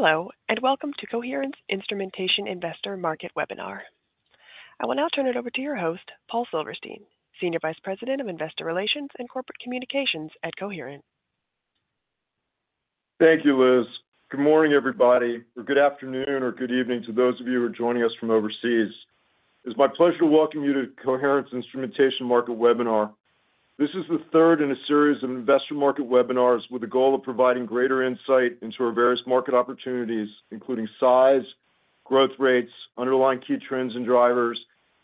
Hello and welcome to Coherent's Instrumentation Investor Market webinar. I will now turn it over to your host, Paul Silverstein, Senior Vice President of Investor Relations and Corporate Communications at Coherent. Thank you, Liz. Good morning, everybody, or good afternoon or good evening to those of you who are joining us from overseas. It's my pleasure to welcome you to Coherent's Instrumentation Market webinar. This is the third in a series of investor market webinars with the goal of providing greater insight into our various market opportunities, including size, growth rates, underlying key trends and drivers,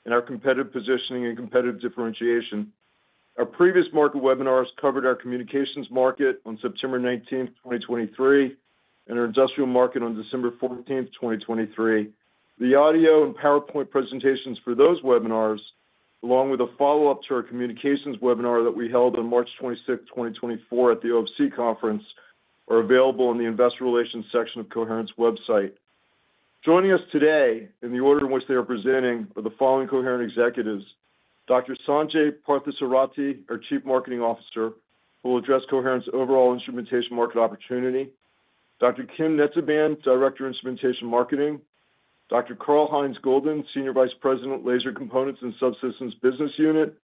and our competitive positioning and competitive differentiation. Our previous market webinars covered our communications market on September 19th, 2023 and our industrial market on December 14th, 2023. The audio and PowerPoint presentations for those webinars, along with a follow-up to our communications webinar that we held on March 26th, 2024 at the OFC conference, are available in the Investor Relations section of Coherent's website. Joining us today in the order in which they are presenting are the following Coherent executives: Dr. Sanjai Parthasarathi, our Chief Marketing Officer, who will address Coherent's overall instrumentation market opportunity, Dr. Kim Netzeband, Director of Instrumentation Marketing, Dr. Karlheinz Gulden, Senior Vice President, Laser Components and Subsystems Business Unit,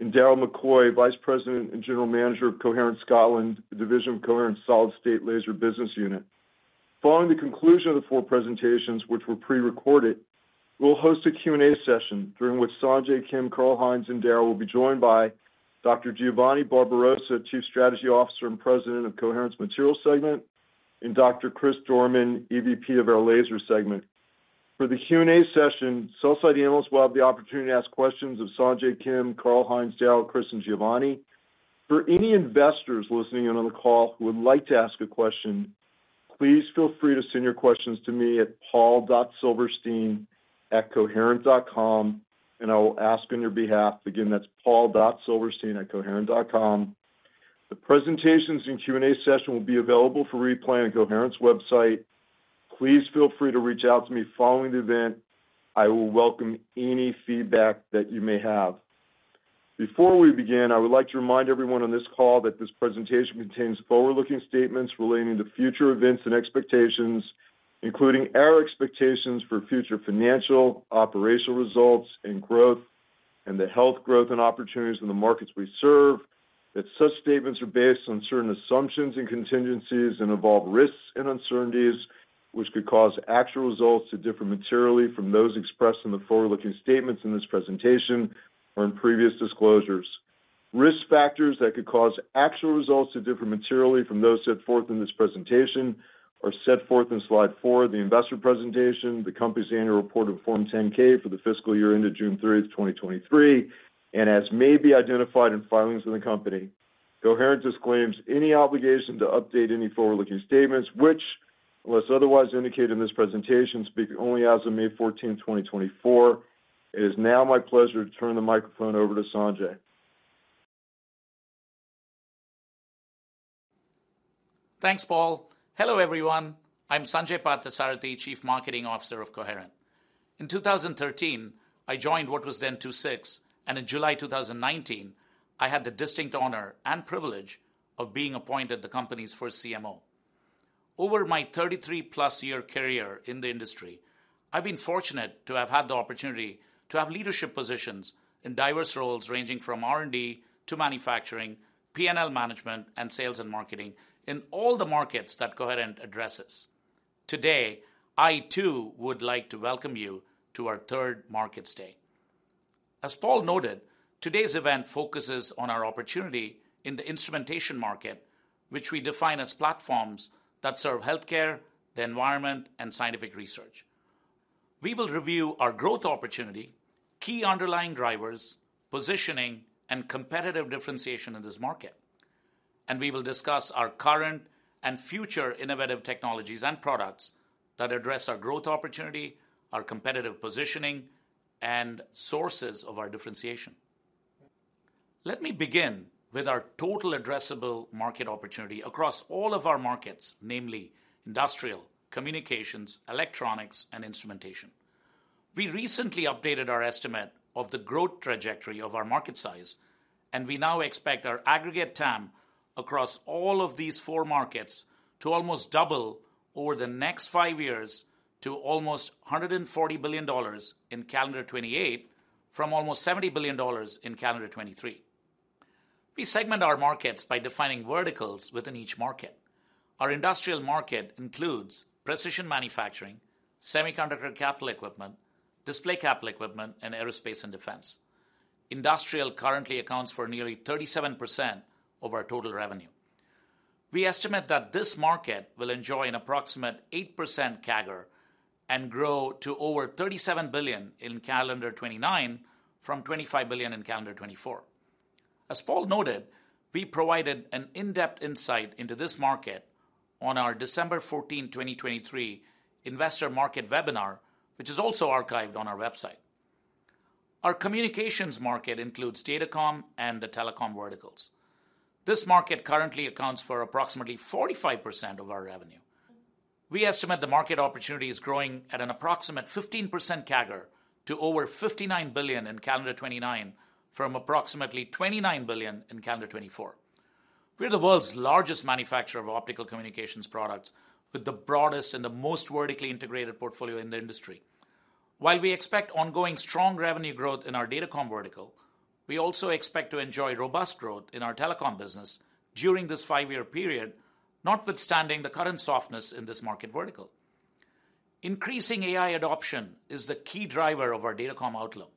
and Darryl McCoy, Vice President and General Manager of Coherent Scotland, Division of Coherent Solid State Laser Business Unit. Following the conclusion of the four presentations, which were prerecorded, we'll host a Q&A session during which Sanjai, Kim, Karlheinz, and Darryl will be joined by Dr. Giovanni Barbarossa, Chief Strategy Officer and President of Coherent's Materials segment, and Dr. Chris Dorman, EVP of our Laser segment. For the Q&A session, sell-side analysts will have the opportunity to ask questions of Sanjai, Kim, Karlheinz, Darryl, Chris, and Giovanni. For any investors listening in on the call who would like to ask a question, please feel free to send your questions to me at paul.silverstein@coherent.com, and I will ask on your behalf. Again, that's paul.silverstein@coherent.com. The presentations and Q&A session will be available for replay on Coherent's website. Please feel free to reach out to me following the event. I will welcome any feedback that you may have. Before we begin, I would like to remind everyone on this call that this presentation contains forward-looking statements relating to future events and expectations, including our expectations for future financial, operational results, and growth, and the healthy growth and opportunities in the markets we serve. That such statements are based on certain assumptions and contingencies and involve risks and uncertainties, which could cause actual results to differ materially from those expressed in the forward-looking statements in this presentation or in previous disclosures. Risk factors that could cause actual results to differ materially from those set forth in this presentation are set forth in slide 4 of the investor presentation, the company's annual report of Form 10-K for the fiscal year ended June 30, 2023 and as may be identified in filings of the company. Coherent disclaims any obligation to update any forward-looking statements, which, unless otherwise indicated in this presentation, speak only as of May 14th, 2024. It is now my pleasure to turn the microphone over to Sanjai. Thanks, Paul. Hello, everyone. I'm Sanjai Parthasarathi, Chief Marketing Officer of Coherent. In 2013, I joined what was then II-VI, and in July 2019, I had the distinct honor and privilege of being appointed the company's first CMO. Over my 33-plus year career in the industry, I've been fortunate to have had the opportunity to have leadership positions in diverse roles ranging from R &D to manufacturing, P&L management, and sales and marketing in all the markets that Coherent addresses. Today, I, too, would like to welcome you to our third markets day. As Paul noted, today's event focuses on our opportunity in the instrumentation market, which we define as platforms that serve healthcare, the environment, and scientific research. We will review our growth opportunity, key underlying drivers, positioning, and competitive differentiation in this market, and we will discuss our current and future innovative technologies and products that address our growth opportunity, our competitive positioning, and sources of our differentiation. Let me begin with our total addressable market opportunity across all of our markets, namely industrial, communications, electronics, and instrumentation. We recently updated our estimate of the growth trajectory of our market size, and we now expect our aggregate TAM across all of these four markets to almost double over the next five years to almost $140 billion in Calendar 2028 from almost $70 billion in Calendar 2023. We segment our markets by defining verticals within each market. Our industrial market includes precision manufacturing, semiconductor capital equipment, display capital equipment, and aerospace and defense. Industrial currently accounts for nearly 37% of our total revenue. We estimate that this market will enjoy an approximate 8% CAGR and grow to over $37 billion in Calendar 2029 from $25 billion in Calendar 2024. As Paul noted, we provided an in-depth insight into this market on our December 14th, 2023, investor market webinar, which is also archived on our website. Our communications market includes datacom and the telecom verticals. This market currently accounts for approximately 45% of our revenue. We estimate the market opportunity is growing at an approximate 15% CAGR to over $59 billion in Calendar 2029 from approximately $29 billion in Calendar 2024. We're the world's largest manufacturer of optical communications products with the broadest and the most vertically integrated portfolio in the industry. While we expect ongoing strong revenue growth in our datacom vertical, we also expect to enjoy robust growth in our telecom business during this five-year period, notwithstanding the current softness in this market vertical. Increasing AI adoption is the key driver of our datacom outlook.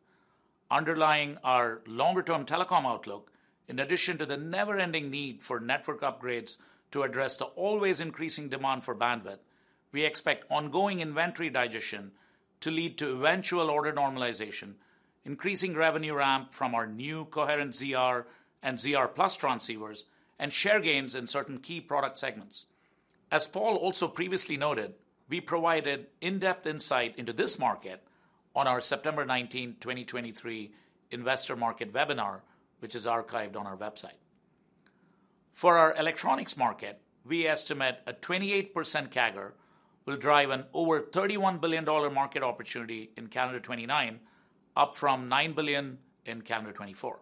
Underlying our longer-term telecom outlook, in addition to the never-ending need for network upgrades to address the always-increasing demand for bandwidth, we expect ongoing inventory digestion to lead to eventual order normalization, increasing revenue ramp from our new Coherent ZR and ZR+ transceivers, and share gains in certain key product segments. As Paul also previously noted, we provided in-depth insight into this market on our September 19th, 2023, investor market webinar, which is archived on our website. For our electronics market, we estimate a 28% CAGR will drive an over $31 billion market opportunity in Calendar 2029, up from $9 billion in Calendar 2024.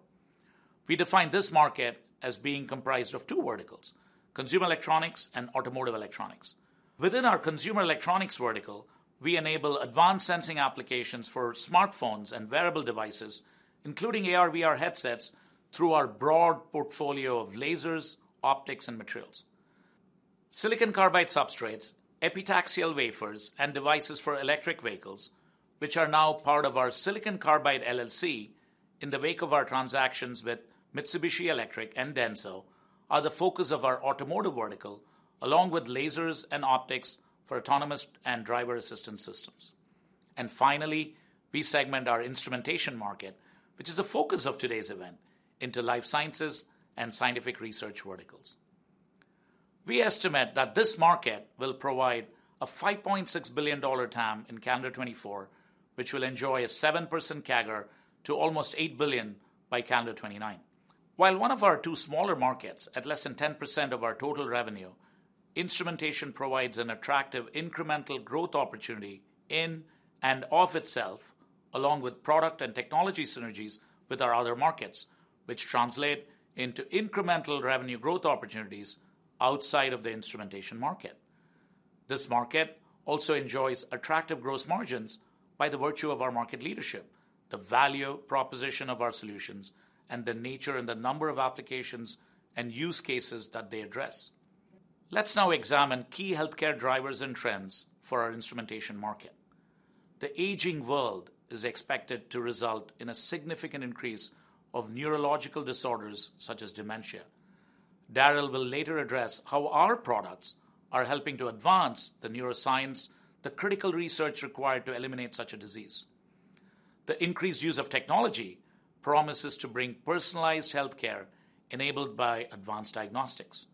We define this market as being comprised of two verticals: consumer electronics and automotive electronics. Within our consumer electronics vertical, we enable advanced sensing applications for smartphones and wearable devices, including AR/VR headsets, through our broad portfolio of lasers, optics, and materials: silicon carbide substrates, epitaxial wafers, and devices for electric vehicles, which are now part of our Silicon Carbide LLC. In the wake of our transactions with Mitsubishi Electric and Denso, they are the focus of our automotive vertical, along with lasers and optics for autonomous and driver assistance systems. And finally, we segment our instrumentation market, which is a focus of today's event, into life sciences and scientific research verticals. We estimate that this market will provide a $5.6 billion TAM in Calendar 2024, which will enjoy a 7% CAGR to almost $8 billion by Calendar 2029. While one of our two smaller markets at less than 10% of our total revenue, instrumentation provides an attractive incremental growth opportunity in and of itself, along with product and technology synergies with our other markets, which translate into incremental revenue growth opportunities outside of the instrumentation market. This market also enjoys attractive gross margins by the virtue of our market leadership, the value proposition of our solutions, and the nature and the number of applications and use cases that they address. Let's now examine key healthcare drivers and trends for our instrumentation market. The aging world is expected to result in a significant increase of neurological disorders such as dementia. Darryl will later address how our products are helping to advance the neuroscience, the critical research required to eliminate such a disease. The increased use of technology promises to bring personalized healthcare enabled by advanced diagnostics.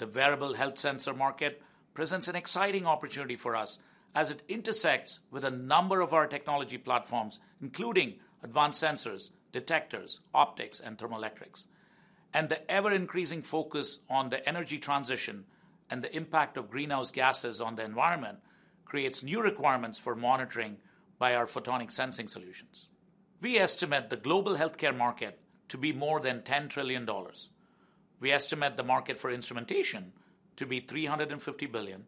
The wearable health sensor market presents an exciting opportunity for us as it intersects with a number of our technology platforms, including advanced sensors, detectors, optics, and thermoelectrics. The ever-increasing focus on the energy transition and the impact of greenhouse gases on the environment creates new requirements for monitoring by our photonic sensing solutions. We estimate the global healthcare market to be more than $10 trillion. We estimate the market for instrumentation to be $350 billion,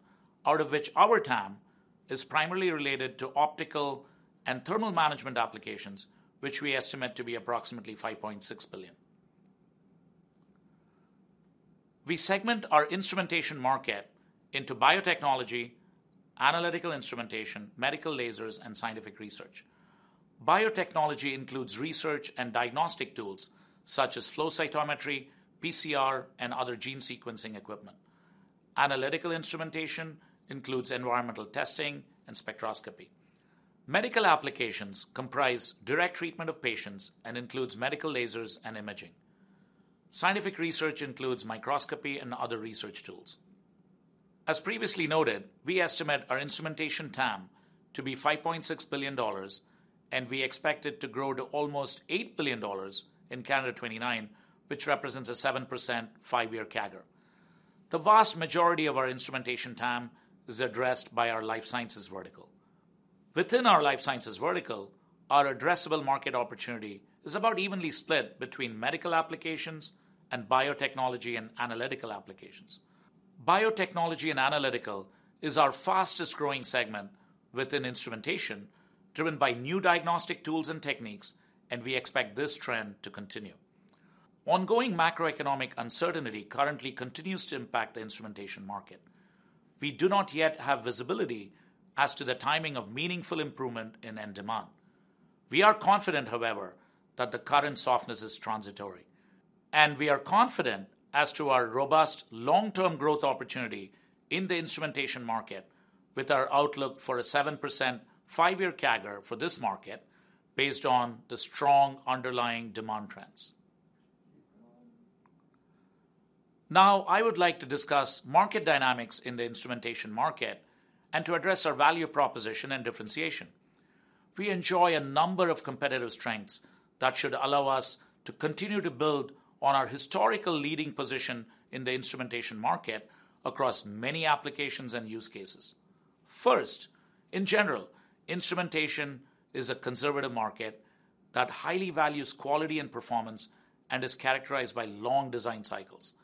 out of which our TAM is primarily related to optical and thermal management applications, which we estimate to be approximately $5.6 billion. We segment our instrumentation market into biotechnology, analytical instrumentation, medical lasers, and scientific research. Biotechnology includes research and diagnostic tools such as flow cytometry, PCR, and other gene sequencing equipment. Analytical instrumentation includes environmental testing and spectroscopy. Medical applications comprise direct treatment of patients and include medical lasers and imaging. Scientific research includes Microscopy and other research tools. As previously noted, we estimate our instrumentation TAM to be $5.6 billion, and we expect it to grow to almost $8 billion in Calendar 2029, which represents a 7% five-year CAGR. The vast majority of our instrumentation TAM is addressed by our life sciences vertical. Within our life sciences vertical, our addressable market opportunity is about evenly split between medical applications and biotechnology and analytical applications. Biotechnology and analytical is our fastest-growing segment within instrumentation, driven by new diagnostic tools and techniques, and we expect this trend to continue. Ongoing macroeconomic uncertainty currently continues to impact the instrumentation market. We do not yet have visibility as to the timing of meaningful improvement in end demand. We are confident, however, that the current softness is transitory, and we are confident as to our robust long-term growth opportunity in the instrumentation market with our outlook for a 7% five-year CAGR for this market based on the strong underlying demand trends. Now, I would like to discuss market dynamics in the instrumentation market and to address our value proposition and differentiation. We enjoy a number of competitive strengths that should allow us to continue to build on our historical leading position in the instrumentation market across many applications and use cases. First, in general, instrumentation is a conservative market that highly values quality and performance and is characterized by long design cycles.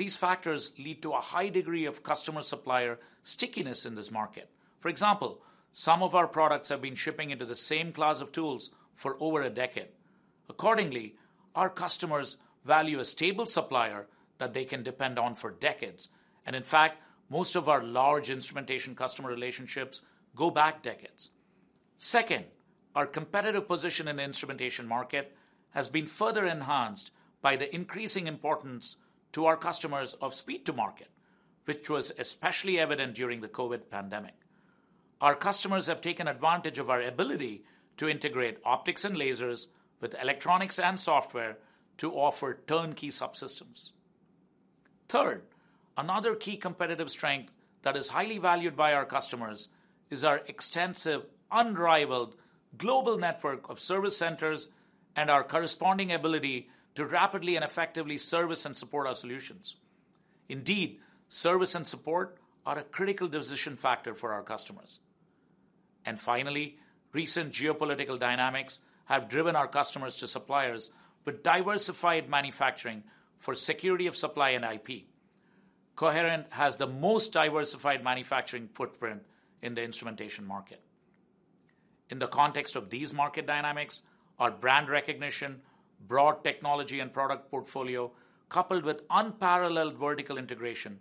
These factors lead to a high degree of customer-supplier stickiness in this market. For example, some of our products have been shipping into the same class of tools for over a decade. Accordingly, our customers value a stable supplier that they can depend on for decades, and in fact, most of our large instrumentation customer relationships go back decades. Second, our competitive position in the instrumentation market has been further enhanced by the increasing importance to our customers of speed-to-market, which was especially evident during the COVID pandemic. Our customers have taken advantage of our ability to integrate optics and lasers with electronics and software to offer turnkey subsystems. Third, another key competitive strength that is highly valued by our customers is our extensive, unrivaled global network of service centers and our corresponding ability to rapidly and effectively service and support our solutions. Indeed, service and support are a critical decision factor for our customers. Finally, recent geopolitical dynamics have driven our customers to suppliers with diversified manufacturing for security of supply and IP. Coherent has the most diversified manufacturing footprint in the instrumentation market. In the context of these market dynamics, our brand recognition, broad technology and product portfolio, coupled with unparalleled vertical integration,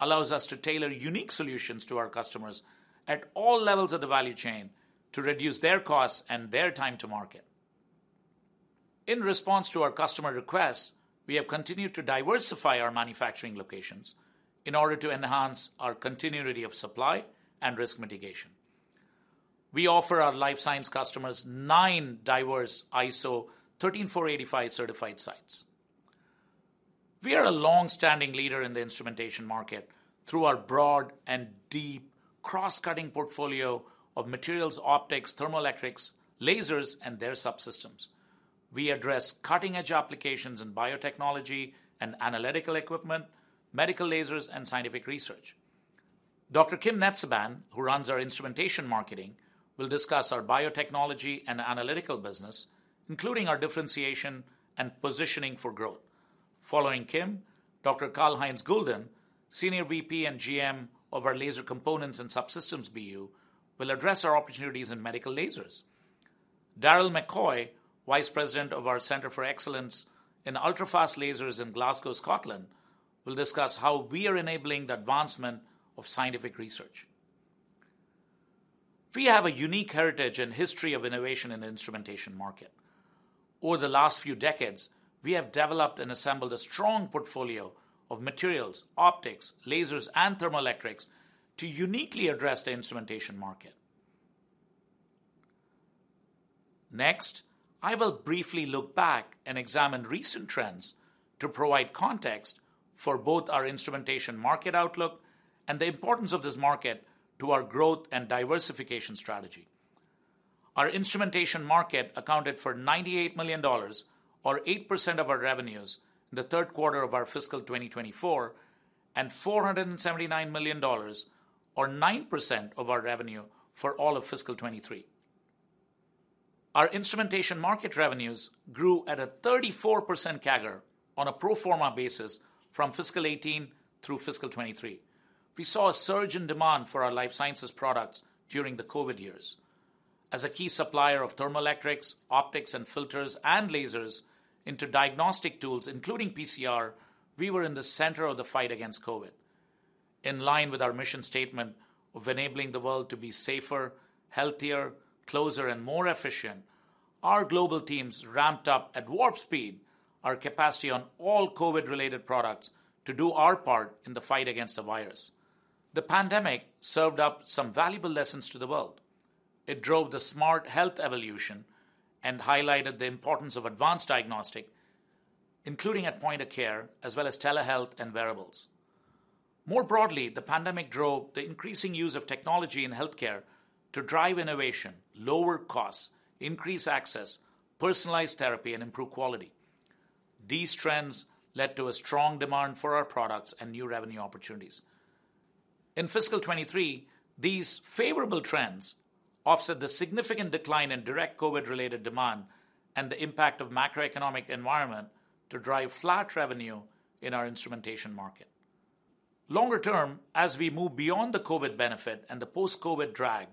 allows us to tailor unique solutions to our customers at all levels of the value chain to reduce their costs and their time to market. In response to our customer requests, we have continued to diversify our manufacturing locations in order to enhance our continuity of supply and risk mitigation. We offer our life science customers nine diverse ISO 13485 certified sites. We are a longstanding leader in the instrumentation market through our broad and deep, cross-cutting portfolio of materials, optics, thermoelectrics, lasers, and their subsystems. We address cutting-edge applications in biotechnology and analytical equipment, medical lasers, and scientific research. Dr. Kim Netzeband, who runs our instrumentation marketing, will discuss our biotechnology and analytical business, including our differentiation and positioning for growth. Following Kim, Dr. Karlheinz Gulden, Senior VP and GM of our Laser Components and Subsystems BU, will address our opportunities in medical lasers. Darryl McCoy, Vice President of our Center for Excellence in Ultrafast Lasers in Glasgow, Scotland, will discuss how we are enabling the advancement of scientific research. We have a unique heritage and history of innovation in the instrumentation market. Over the last few decades, we have developed and assembled a strong portfolio of materials, optics, lasers, and thermoelectrics to uniquely address the instrumentation market. Next, I will briefly look back and examine recent trends to provide context for both our instrumentation market outlook and the importance of this market to our growth and diversification strategy. Our instrumentation market accounted for $98 million, or 8% of our revenues, in the third quarter of our fiscal 2024, and $479 million, or 9% of our revenue, for all of fiscal 2023. Our instrumentation market revenues grew at a 34% CAGR on a pro forma basis from fiscal 2018 through fiscal 2023. We saw a surge in demand for our life sciences products during the COVID years. As a key supplier of thermoelectrics, optics, and filters, and lasers into diagnostic tools, including PCR, we were in the center of the fight against COVID. In line with our mission statement of enabling the world to be safer, healthier, closer, and more efficient, our global teams ramped up at warp speed our capacity on all COVID-related products to do our part in the fight against the virus. The pandemic served up some valuable lessons to the world. It drove the smart health evolution and highlighted the importance of advanced diagnostics, including at point-of-care, as well as telehealth and wearables. More broadly, the pandemic drove the increasing use of technology in healthcare to drive innovation, lower costs, increase access, personalized therapy, and improve quality. These trends led to a strong demand for our products and new revenue opportunities. In fiscal 2023, these favorable trends offset the significant decline in direct COVID-related demand and the impact of the macroeconomic environment to drive flat revenue in our instrumentation market. Longer term, as we move beyond the COVID benefit and the post-COVID drag,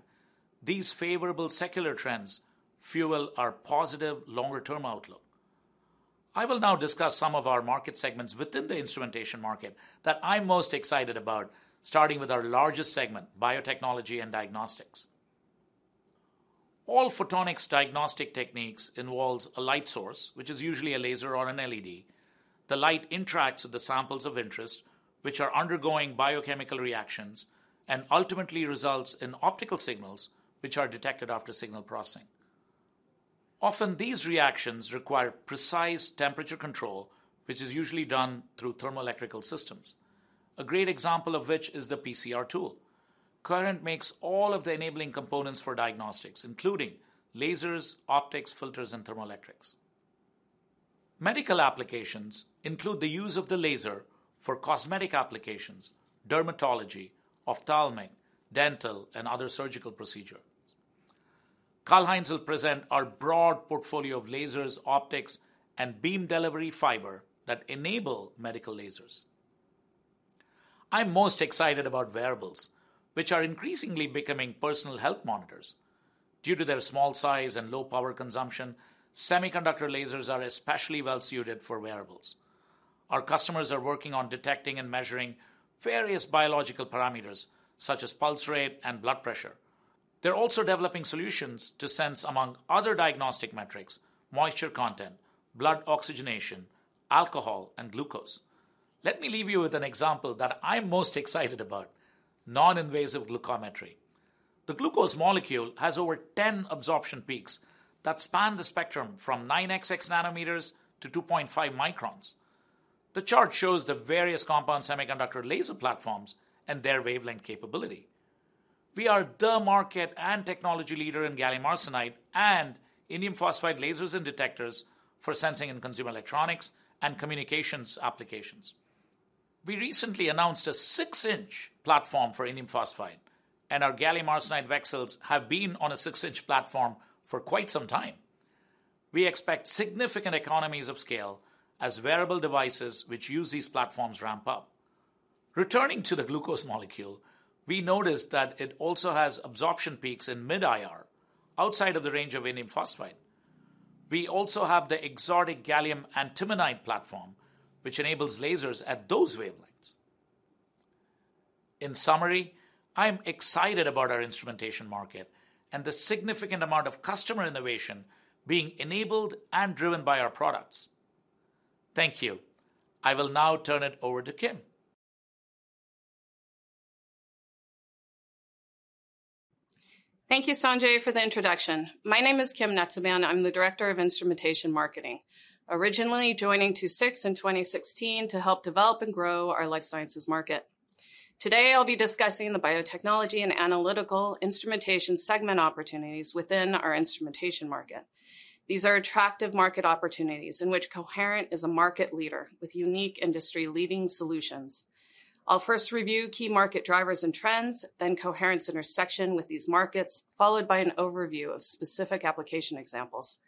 these favorable secular trends fuel our positive longer-term outlook. I will now discuss some of our market segments within the instrumentation market that I'm most excited about, starting with our largest segment, biotechnology and diagnostics. All photonics diagnostic techniques involve a light source, which is usually a laser or an LED. The light interacts with the samples of interest, which are undergoing biochemical reactions and ultimately results in optical signals, which are detected after signal processing. Often, these reactions require precise temperature control, which is usually done through thermoelectric systems. A great example of which is the PCR tool. Coherent makes all of the enabling components for diagnostics, including lasers, optics, filters, and thermoelectrics. Medical applications include the use of the laser for cosmetic applications, dermatology, ophthalmic, dental, and other surgical procedures. Karlheinz will present our broad portfolio of lasers, optics, and beam delivery fiber that enable medical lasers. I'm most excited about wearables, which are increasingly becoming personal health monitors. Due to their small size and low power consumption, semiconductor lasers are especially well-suited for wearables. Our customers are working on detecting and measuring various biological parameters such as pulse rate and blood pressure. They're also developing solutions to sense, among other diagnostic metrics, moisture content, blood oxygenation, alcohol, and glucose. Let me leave you with an example that I'm most excited about: non-invasive glucometry. The glucose molecule has over 10 absorption peaks that span the spectrum from 9xx nanometers to 2.5 microns. The chart shows the various compound semiconductor laser platforms and their wavelength capability. We are the market and technology leader in gallium arsenide and indium phosphide lasers and detectors for sensing in consumer electronics and communications applications. We recently announced a 6-inch platform for indium phosphide, and our gallium arsenide VCSELs have been on a 6-inch platform for quite some time. We expect significant economies of scale as wearable devices, which use these platforms, ramp up. Returning to the glucose molecule, we noticed that it also has absorption peaks in mid-IR outside of the range of indium phosphide. We also have the exotic gallium antimonide platform, which enables lasers at those wavelengths. In summary, I'm excited about our instrumentation market and the significant amount of customer innovation being enabled and driven by our products. Thank you. I will now turn it over to Kim. Thank you, Sanjai, for the introduction. My name is Kim Netzeband. I'm the Director of Instrumentation Marketing, originally joining II-VI in 2016 to help develop and grow our life sciences market. Today, I'll be discussing the biotechnology and analytical instrumentation segment opportunities within our instrumentation market. These are attractive market opportunities in which Coherent is a market leader with unique industry-leading solutions. I'll first review key market drivers and trends, then Coherent's intersection with these markets, followed by an overview of specific application examples.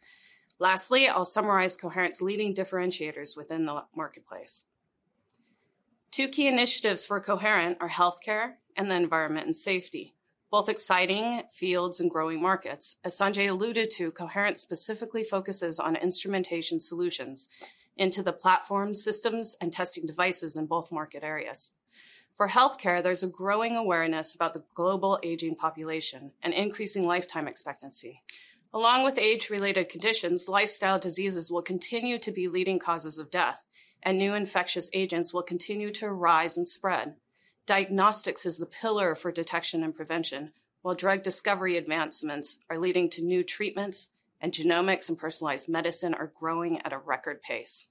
Lastly, I'll summarize Coherent's leading differentiators within the marketplace. Two key initiatives for Coherent are healthcare and the environment and safety, both exciting fields and growing markets. As Sanjai alluded to, Coherent specifically focuses on instrumentation solutions into the platforms, systems, and testing devices in both market areas. For healthcare, there's a growing awareness about the global aging population and increasing lifetime expectancy. Along with age-related conditions, lifestyle diseases will continue to be leading causes of death, and new infectious agents will continue to rise and spread. Diagnostics is the pillar for detection and prevention, while drug discovery advancements are leading to new treatments, and genomics and personalized medicine are growing at a record pace.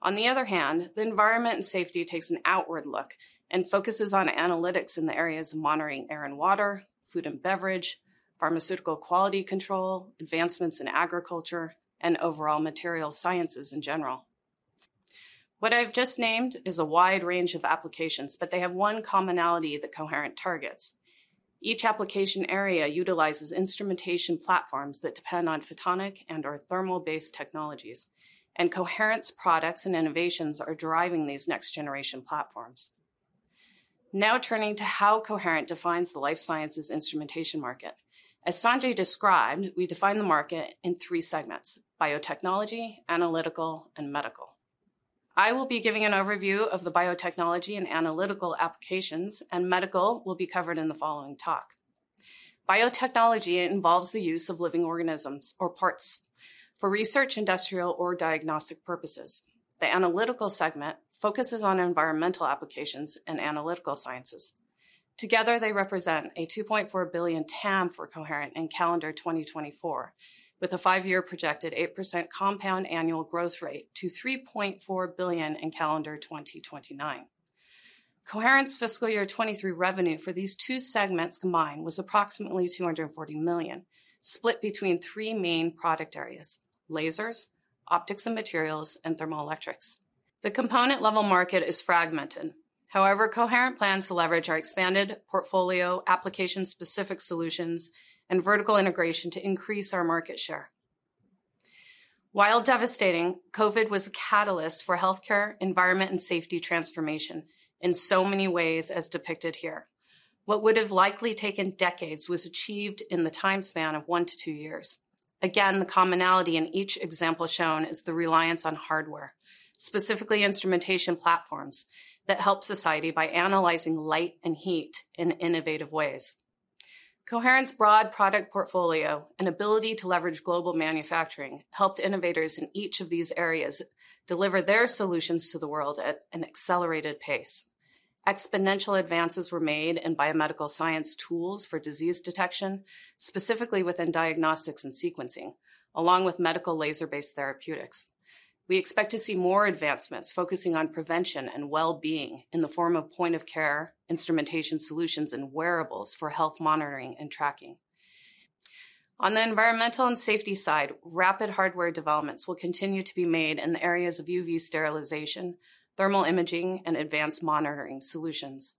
On the other hand, the environment and safety takes an outward look and focuses on analytics in the areas of monitoring air and water, food and beverage, pharmaceutical quality control, advancements in agriculture, and overall materials sciences in general. What I've just named is a wide range of applications, but they have one commonality that Coherent targets. Each application area utilizes instrumentation platforms that depend on photonic and/or thermal-based technologies, and Coherent's products and innovations are driving these next-generation platforms. Now, turning to how Coherent defines the life sciences instrumentation market. As Sanjai described, we define the market in three segments: biotechnology, analytical, and medical. I will be giving an overview of the biotechnology and analytical applications, and medical will be covered in the following talk. Biotechnology involves the use of living organisms, or parts, for research, industrial, or diagnostic purposes. The analytical segment focuses on environmental applications and analytical sciences. Together, they represent a $2.4 billion TAM for Coherent in calendar 2024, with a five-year projected 8% compound annual growth rate to $3.4 billion in calendar 2029. Coherent's fiscal year 2023 revenue for these two segments combined was approximately $240 million, split between three main product areas: lasers, optics and materials, and thermoelectrics. The component-level market is fragmented. However, Coherent plans to leverage our expanded portfolio, application-specific solutions, and vertical integration to increase our market share. While devastating, COVID was a catalyst for healthcare, environment, and safety transformation in so many ways as depicted here. What would have likely taken decades was achieved in the time span of 1-2 years. Again, the commonality in each example shown is the reliance on hardware, specifically instrumentation platforms, that help society by analyzing light and heat in innovative ways. Coherent's broad product portfolio and ability to leverage global manufacturing helped innovators in each of these areas deliver their solutions to the world at an accelerated pace. Exponential advances were made in biomedical science tools for disease detection, specifically within diagnostics and sequencing, along with medical laser-based therapeutics. We expect to see more advancements focusing on prevention and well-being in the form of point-of-care instrumentation solutions and wearables for health monitoring and tracking. On the environmental and safety side, rapid hardware developments will continue to be made in the areas of UV sterilization, thermal imaging, and advanced monitoring solutions.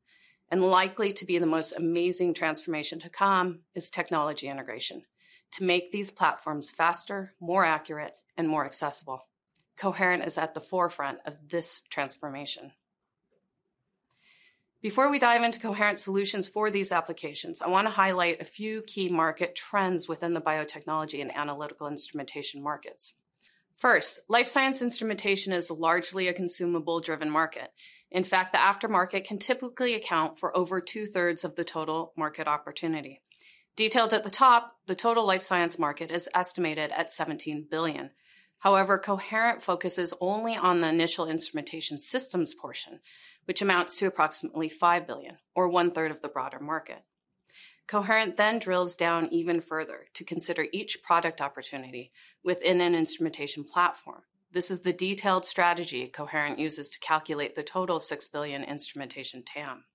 Likely to be the most amazing transformation to come is technology integration to make these platforms faster, more accurate, and more accessible. Coherent is at the forefront of this transformation. Before we dive into Coherent's solutions for these applications, I want to highlight a few key market trends within the biotechnology and analytical instrumentation markets. First, life science instrumentation is largely a consumable-driven market. In fact, the aftermarket can typically account for over two-thirds of the total market opportunity. Detailed at the top, the total life science market is estimated at $17 billion. However, Coherent focuses only on the initial instrumentation systems portion, which amounts to approximately $5 billion, or one-third of the broader market. Coherent then drills down even further to consider each product opportunity within an instrumentation platform. This is the detailed strategy Coherent uses to calculate the total $6 billion instrumentation TAM.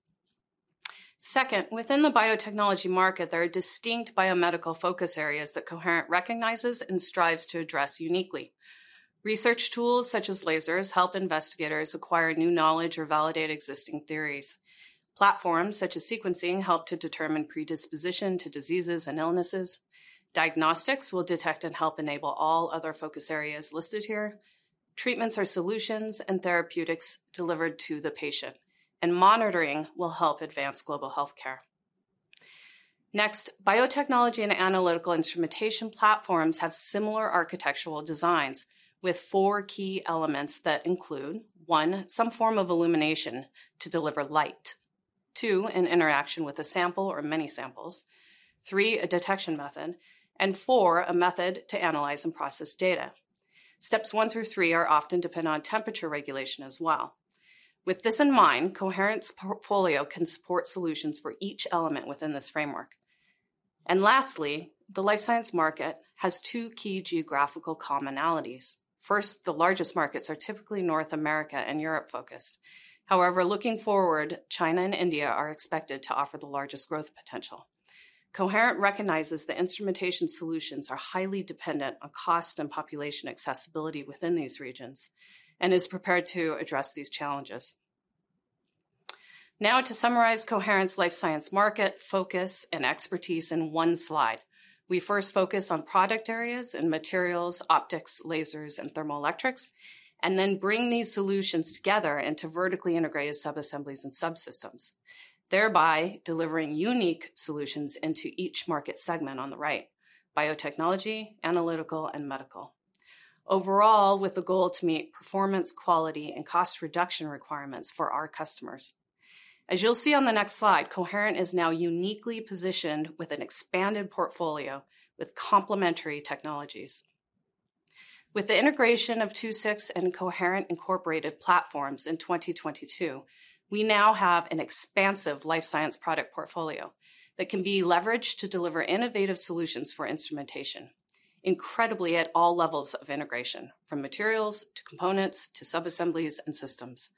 Second, within the biotechnology market, there are distinct biomedical focus areas that Coherent recognizes and strives to address uniquely. Research tools such as lasers help investigators acquire new knowledge or validate existing theories. Platforms such as sequencing help to determine predisposition to diseases and illnesses. Diagnostics will detect and help enable all other focus areas listed here. Treatments are solutions and therapeutics delivered to the patient, and monitoring will help advance global healthcare. Next, biotechnology and analytical instrumentation platforms have similar architectural designs with four key elements that include: one, some form of illumination to deliver light. Two, an interaction with a sample or many samples. Three, a detection method. And four, a method to analyze and process data. Steps one through three often depend on temperature regulation as well. With this in mind, Coherent's portfolio can support solutions for each element within this framework. Lastly, the life science market has two key geographical commonalities. First, the largest markets are typically North America and Europe-focused. However, looking forward, China and India are expected to offer the largest growth potential. Coherent recognizes the instrumentation solutions are highly dependent on cost and population accessibility within these regions and is prepared to address these challenges. Now, to summarize Coherent's life science market focus and expertise in one slide, we first focus on product areas in materials, optics, lasers, and thermoelectrics, and then bring these solutions together into vertically integrated subassemblies and subsystems, thereby delivering unique solutions into each market segment on the right: biotechnology, analytical, and medical, overall with the goal to meet performance, quality, and cost reduction requirements for our customers. As you'll see on the next slide, Coherent is now uniquely positioned with an expanded portfolio with complementary technologies. With the integration of II-VI and Coherent Incorporated platforms in 2022, we now have an expansive life science product portfolio that can be leveraged to deliver innovative solutions for instrumentation, incredibly at all levels of integration, from materials to components to subassemblies and systems.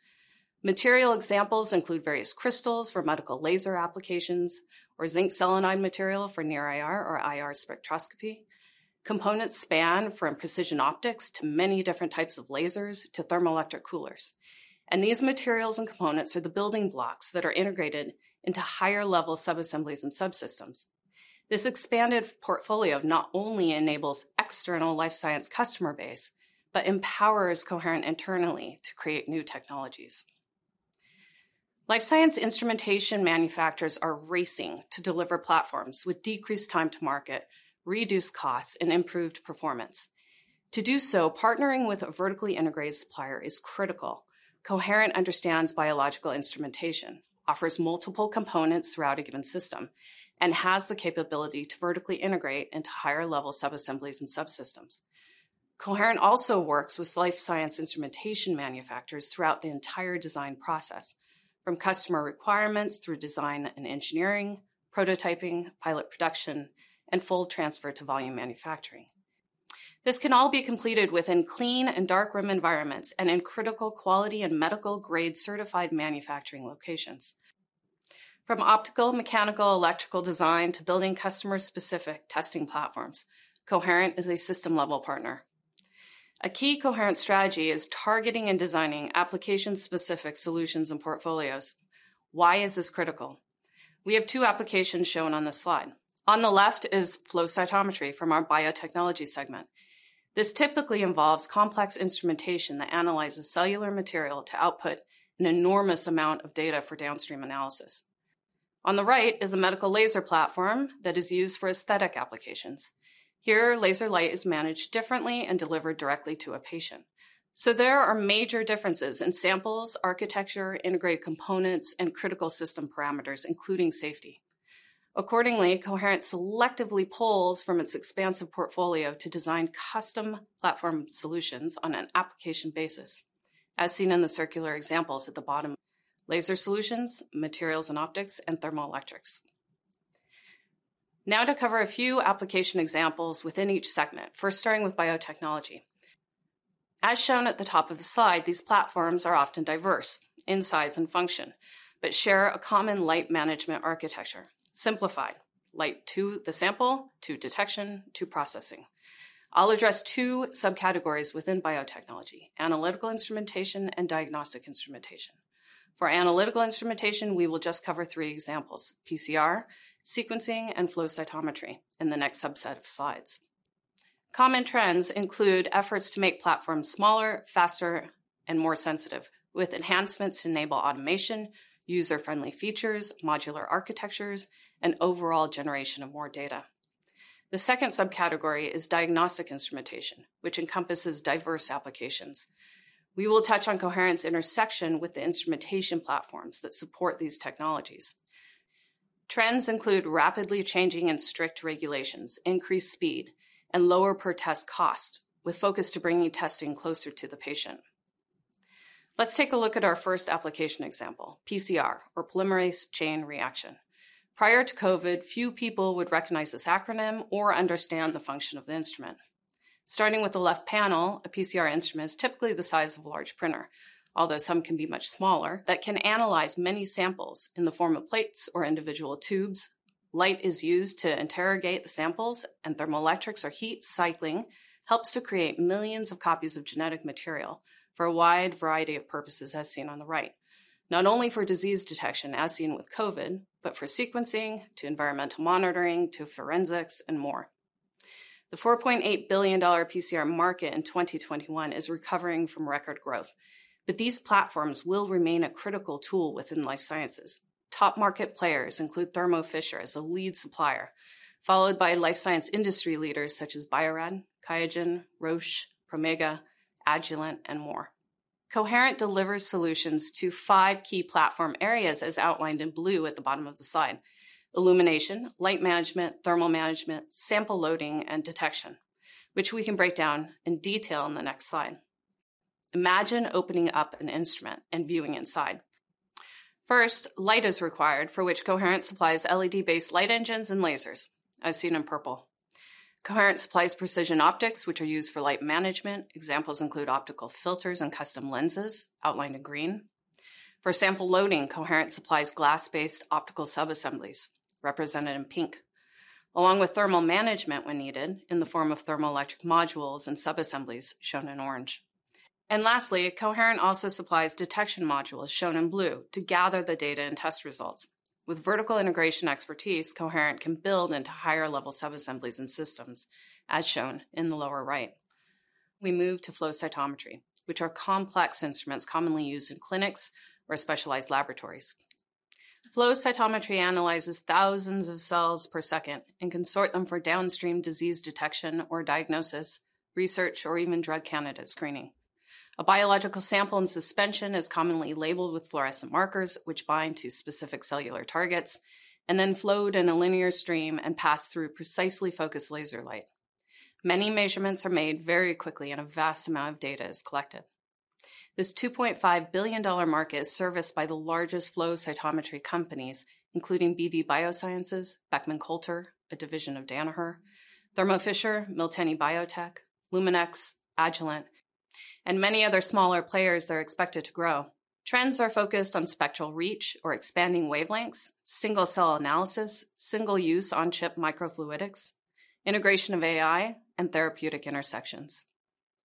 Material examples include various crystals for medical laser applications or zinc selenide material for near-IR or IR spectroscopy. Components span from precision optics to many different types of lasers to thermoelectric coolers. These materials and components are the building blocks that are integrated into higher-level subassemblies and subsystems. This expanded portfolio not only enables external life science customer base but empowers Coherent internally to create new technologies. Life science instrumentation manufacturers are racing to deliver platforms with decreased time to market, reduced costs, and improved performance. To do so, partnering with a vertically integrated supplier is critical. Coherent understands biological instrumentation, offers multiple components throughout a given system, and has the capability to vertically integrate into higher-level subassemblies and subsystems. Coherent also works with life science instrumentation manufacturers throughout the entire design process, from customer requirements through design and engineering, prototyping, pilot production, and full transfer to volume manufacturing. This can all be completed within clean and dark-room environments and in critical quality and medical-grade certified manufacturing locations. From optical, mechanical, electrical design to building customer-specific testing platforms, Coherent is a system-level partner. A key Coherent strategy is targeting and designing application-specific solutions and portfolios. Why is this critical? We have two applications shown on this slide. On the left is flow cytometry from our biotechnology segment. This typically involves complex instrumentation that analyzes cellular material to output an enormous amount of data for downstream analysis. On the right is a medical laser platform that is used for aesthetic applications. Here, laser light is managed differently and delivered directly to a patient. So there are major differences in samples, architecture, integrated components, and critical system parameters, including safety. Accordingly, Coherent selectively pulls from its expansive portfolio to design custom platform solutions on an application basis, as seen in the circular examples at the bottom: laser solutions, materials and optics, and thermoelectrics. Now, to cover a few application examples within each segment, first starting with biotechnology. As shown at the top of the slide, these platforms are often diverse in size and function but share a common light management architecture: simplified, light to the sample, to detection, to processing. I'll address two subcategories within biotechnology: analytical instrumentation and diagnostic instrumentation. For analytical instrumentation, we will just cover three examples: PCR, sequencing, and flow cytometry in the next subset of slides. Common trends include efforts to make platforms smaller, faster, and more sensitive, with enhancements to enable automation, user-friendly features, modular architectures, and overall generation of more data. The second subcategory is diagnostic instrumentation, which encompasses diverse applications. We will touch on Coherent's intersection with the instrumentation platforms that support these technologies. Trends include rapidly changing and strict regulations, increased speed, and lower per-test cost, with focus to bringing testing closer to the patient. Let's take a look at our first application example: PCR, or polymerase chain reaction. Prior to COVID, few people would recognize this acronym or understand the function of the instrument. Starting with the left panel, a PCR instrument is typically the size of a large printer, although some can be much smaller, that can analyze many samples in the form of plates or individual tubes. Light is used to interrogate the samples, and thermoelectrics or heat cycling helps to create millions of copies of genetic material for a wide variety of purposes, as seen on the right, not only for disease detection, as seen with COVID, but for sequencing, to environmental monitoring, to forensics, and more. The $4.8 billion PCR market in 2021 is recovering from record growth, but these platforms will remain a critical tool within life sciences. Top market players include Thermo Fisher as a lead supplier, followed by life science industry leaders such as Bio-Rad, Qiagen, Roche, Promega, Agilent, and more. Coherent delivers solutions to five key platform areas, as outlined in blue at the bottom of the slide: illumination, light management, thermal management, sample loading, and detection, which we can break down in detail in the next slide. Imagine opening up an instrument and viewing inside. First, light is required, for which Coherent supplies LED-based light engines and lasers, as seen in purple. Coherent supplies precision optics, which are used for light management. Examples include optical filters and custom lenses, outlined in green. For sample loading, Coherent supplies glass-based optical subassemblies, represented in pink, along with thermal management when needed in the form of thermoelectric modules and subassemblies, shown in orange. Lastly, Coherent also supplies detection modules, shown in blue, to gather the data and test results. With vertical integration expertise, Coherent can build into higher-level subassemblies and systems, as shown in the lower right. We move to flow cytometry, which are complex instruments commonly used in clinics or specialized laboratories. Flow cytometry analyzes thousands of cells per second and can sort them for downstream disease detection or diagnosis, research, or even drug candidate screening. A biological sample in suspension is commonly labeled with fluorescent markers, which bind to specific cellular targets, and then flow in a linear stream and pass through precisely focused laser light. Many measurements are made very quickly, and a vast amount of data is collected. This $2.5 billion market is serviced by the largest flow cytometry companies, including BD Biosciences, Beckman Coulter, a division of Danaher, Thermo Fisher, Miltenyi Biotec, Luminex, Agilent, and many other smaller players that are expected to grow. Trends are focused on spectral reach, or expanding wavelengths, single-cell analysis, single-use on-chip microfluidics, integration of AI, and therapeutic intersections.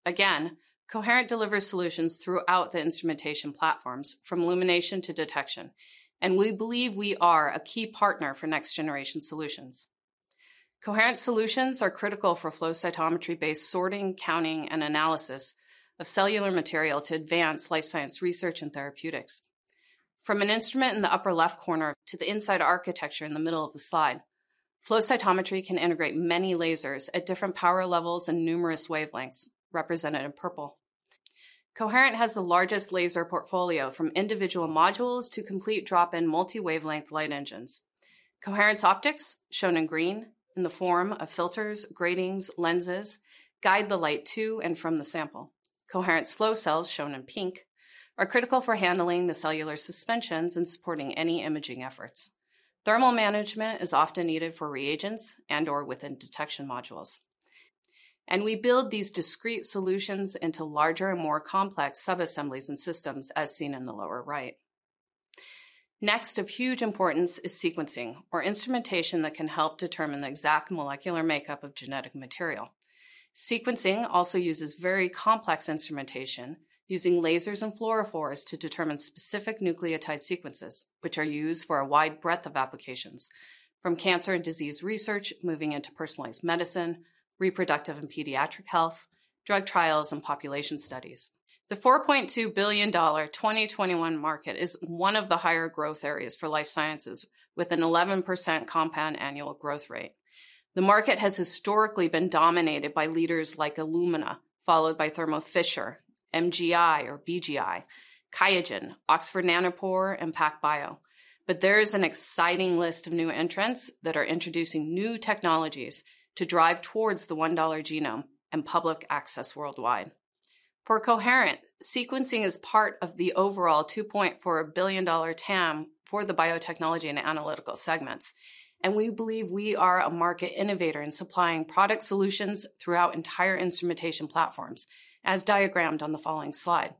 Again, Coherent delivers solutions throughout the instrumentation platforms, from illumination to detection, and we believe we are a key partner for next-generation solutions. Coherent solutions are critical for flow cytometry-based sorting, counting, and analysis of cellular material to advance life science research and therapeutics. From an instrument in the upper left corner to the inside architecture in the middle of the slide, flow cytometry can integrate many lasers at different power levels and numerous wavelengths, represented in purple. Coherent has the largest laser portfolio, from individual modules to complete drop-in multi-wavelength light engines. Coherent's optics, shown in green in the form of filters, gratings, lenses, guide the light to and from the sample. Coherent's flow cells, shown in pink, are critical for handling the cellular suspensions and supporting any imaging efforts. Thermal management is often needed for reagents and/or within detection modules. We build these discrete solutions into larger and more complex subassemblies and systems, as seen in the lower right. Next, of huge importance is sequencing, or instrumentation that can help determine the exact molecular makeup of genetic material. Sequencing also uses very complex instrumentation, using lasers and fluorophores to determine specific nucleotide sequences, which are used for a wide breadth of applications, from cancer and disease research moving into personalized medicine, reproductive and pediatric health, drug trials, and population studies. The $4.2 billion 2021 market is one of the higher growth areas for life sciences, with an 11% compound annual growth rate. The market has historically been dominated by leaders like Illumina, followed by Thermo Fisher, MGI or BGI, Qiagen, Oxford Nanopore, and PacBio. But there is an exciting list of new entrants that are introducing new technologies to drive towards the $1 genome and public access worldwide. For Coherent, sequencing is part of the overall $2.4 billion TAM for the biotechnology and analytical segments, and we believe we are a market innovator in supplying product solutions throughout entire instrumentation platforms, as diagrammed on the following slide.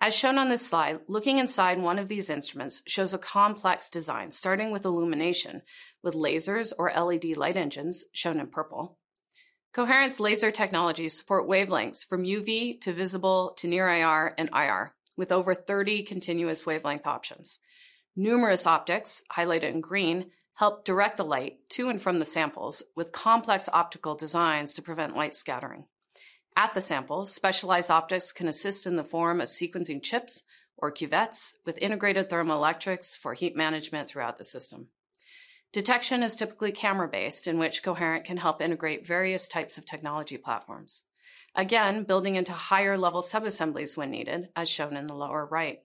As shown on this slide, looking inside one of these instruments shows a complex design, starting with illumination, with lasers or LED light engines, shown in purple. Coherent's laser technologies support wavelengths from UV to visible to near-IR and IR, with over 30 continuous wavelength options. Numerous optics, highlighted in green, help direct the light to and from the samples, with complex optical designs to prevent light scattering. At the sample, specialized optics can assist in the form of sequencing chips or cuvettes with integrated thermoelectrics for heat management throughout the system. Detection is typically camera-based, in which Coherent can help integrate various types of technology platforms, again building into higher-level subassemblies when needed, as shown in the lower right.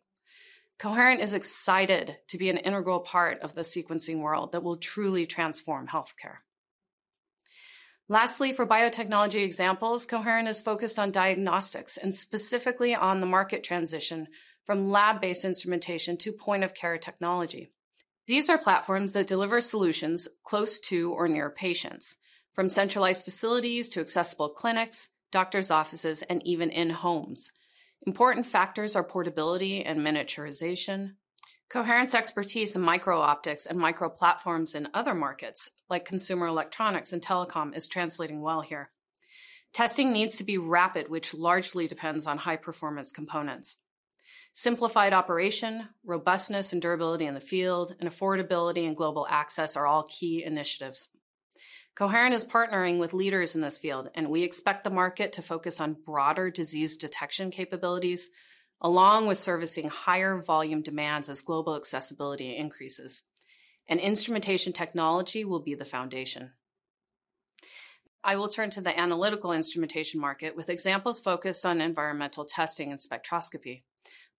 Coherent is excited to be an integral part of the sequencing world that will truly transform healthcare. Lastly, for biotechnology examples, Coherent is focused on diagnostics and specifically on the market transition from lab-based instrumentation to point-of-care technology. These are platforms that deliver solutions close to or near patients, from centralized facilities to accessible clinics, doctors' offices, and even in homes. Important factors are portability and miniaturization. Coherent's expertise in micro-optics and micro-platforms in other markets, like consumer electronics and telecom, is translating well here. Testing needs to be rapid, which largely depends on high-performance components. Simplified operation, robustness and durability in the field, and affordability and global access are all key initiatives. Coherent is partnering with leaders in this field, and we expect the market to focus on broader disease detection capabilities, along with servicing higher volume demands as global accessibility increases. Instrumentation technology will be the foundation. I will turn to the analytical instrumentation market, with examples focused on environmental testing and spectroscopy,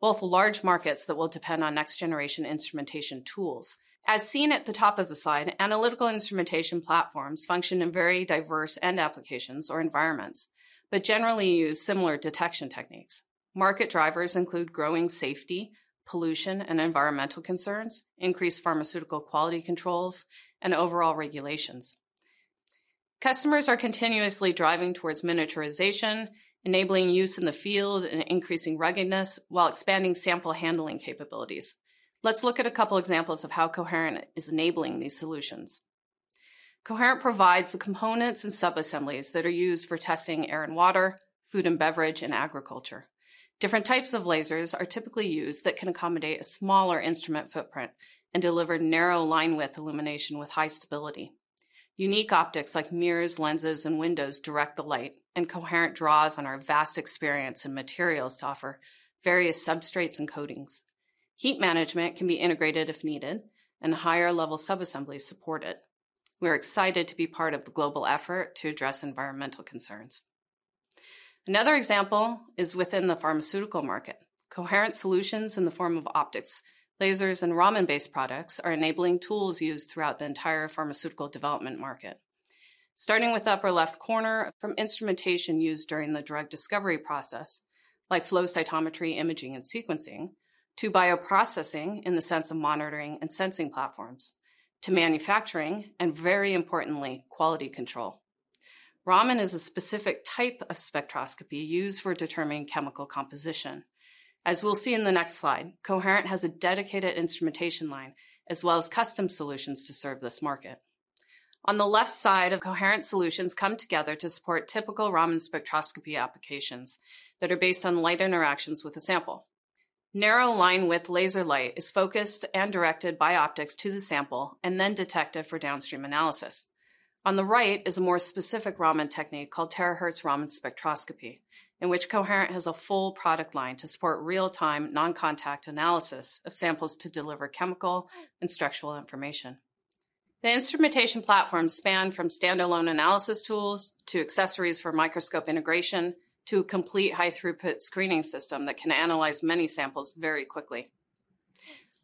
both large markets that will depend on next-generation instrumentation tools. As seen at the top of the slide, analytical instrumentation platforms function in very diverse end applications or environments, but generally use similar detection techniques. Market drivers include growing safety, pollution, and environmental concerns, increased pharmaceutical quality controls, and overall regulations. Customers are continuously driving towards miniaturization, enabling use in the field and increasing ruggedness while expanding sample handling capabilities. Let's look at a couple of examples of how Coherent is enabling these solutions. Coherent provides the components and subassemblies that are used for testing air and water, food and beverage, and agriculture. Different types of lasers are typically used that can accommodate a smaller instrument footprint and deliver narrow line-width illumination with high stability. Unique optics, like mirrors, lenses, and windows, direct the light, and Coherent draws on our vast experience in materials to offer various substrates and coatings. Heat management can be integrated if needed, and higher-level subassemblies support it. We are excited to be part of the global effort to address environmental concerns. Another example is within the pharmaceutical market. Coherent solutions in the form of optics, lasers, and Raman-based products are enabling tools used throughout the entire pharmaceutical development market, starting with the upper left corner from instrumentation used during the drug discovery process, like flow cytometry, imaging, and sequencing, to bioprocessing in the sense of monitoring and sensing platforms, to manufacturing and, very importantly, quality control. Raman is a specific type of spectroscopy used for determining chemical composition. As we'll see in the next slide, Coherent has a dedicated instrumentation line as well as custom solutions to serve this market. On the left side of Coherent's solutions come together to support typical Raman spectroscopy applications that are based on light interactions with a sample. Narrow line-width laser light is focused and directed by optics to the sample and then detected for downstream analysis. On the right is a more specific Raman technique called terahertz Raman spectroscopy, in which Coherent has a full product line to support real-time, non-contact analysis of samples to deliver chemical and structural information. The instrumentation platforms span from standalone analysis tools to accessories for microscope integration to a complete high-throughput screening system that can analyze many samples very quickly.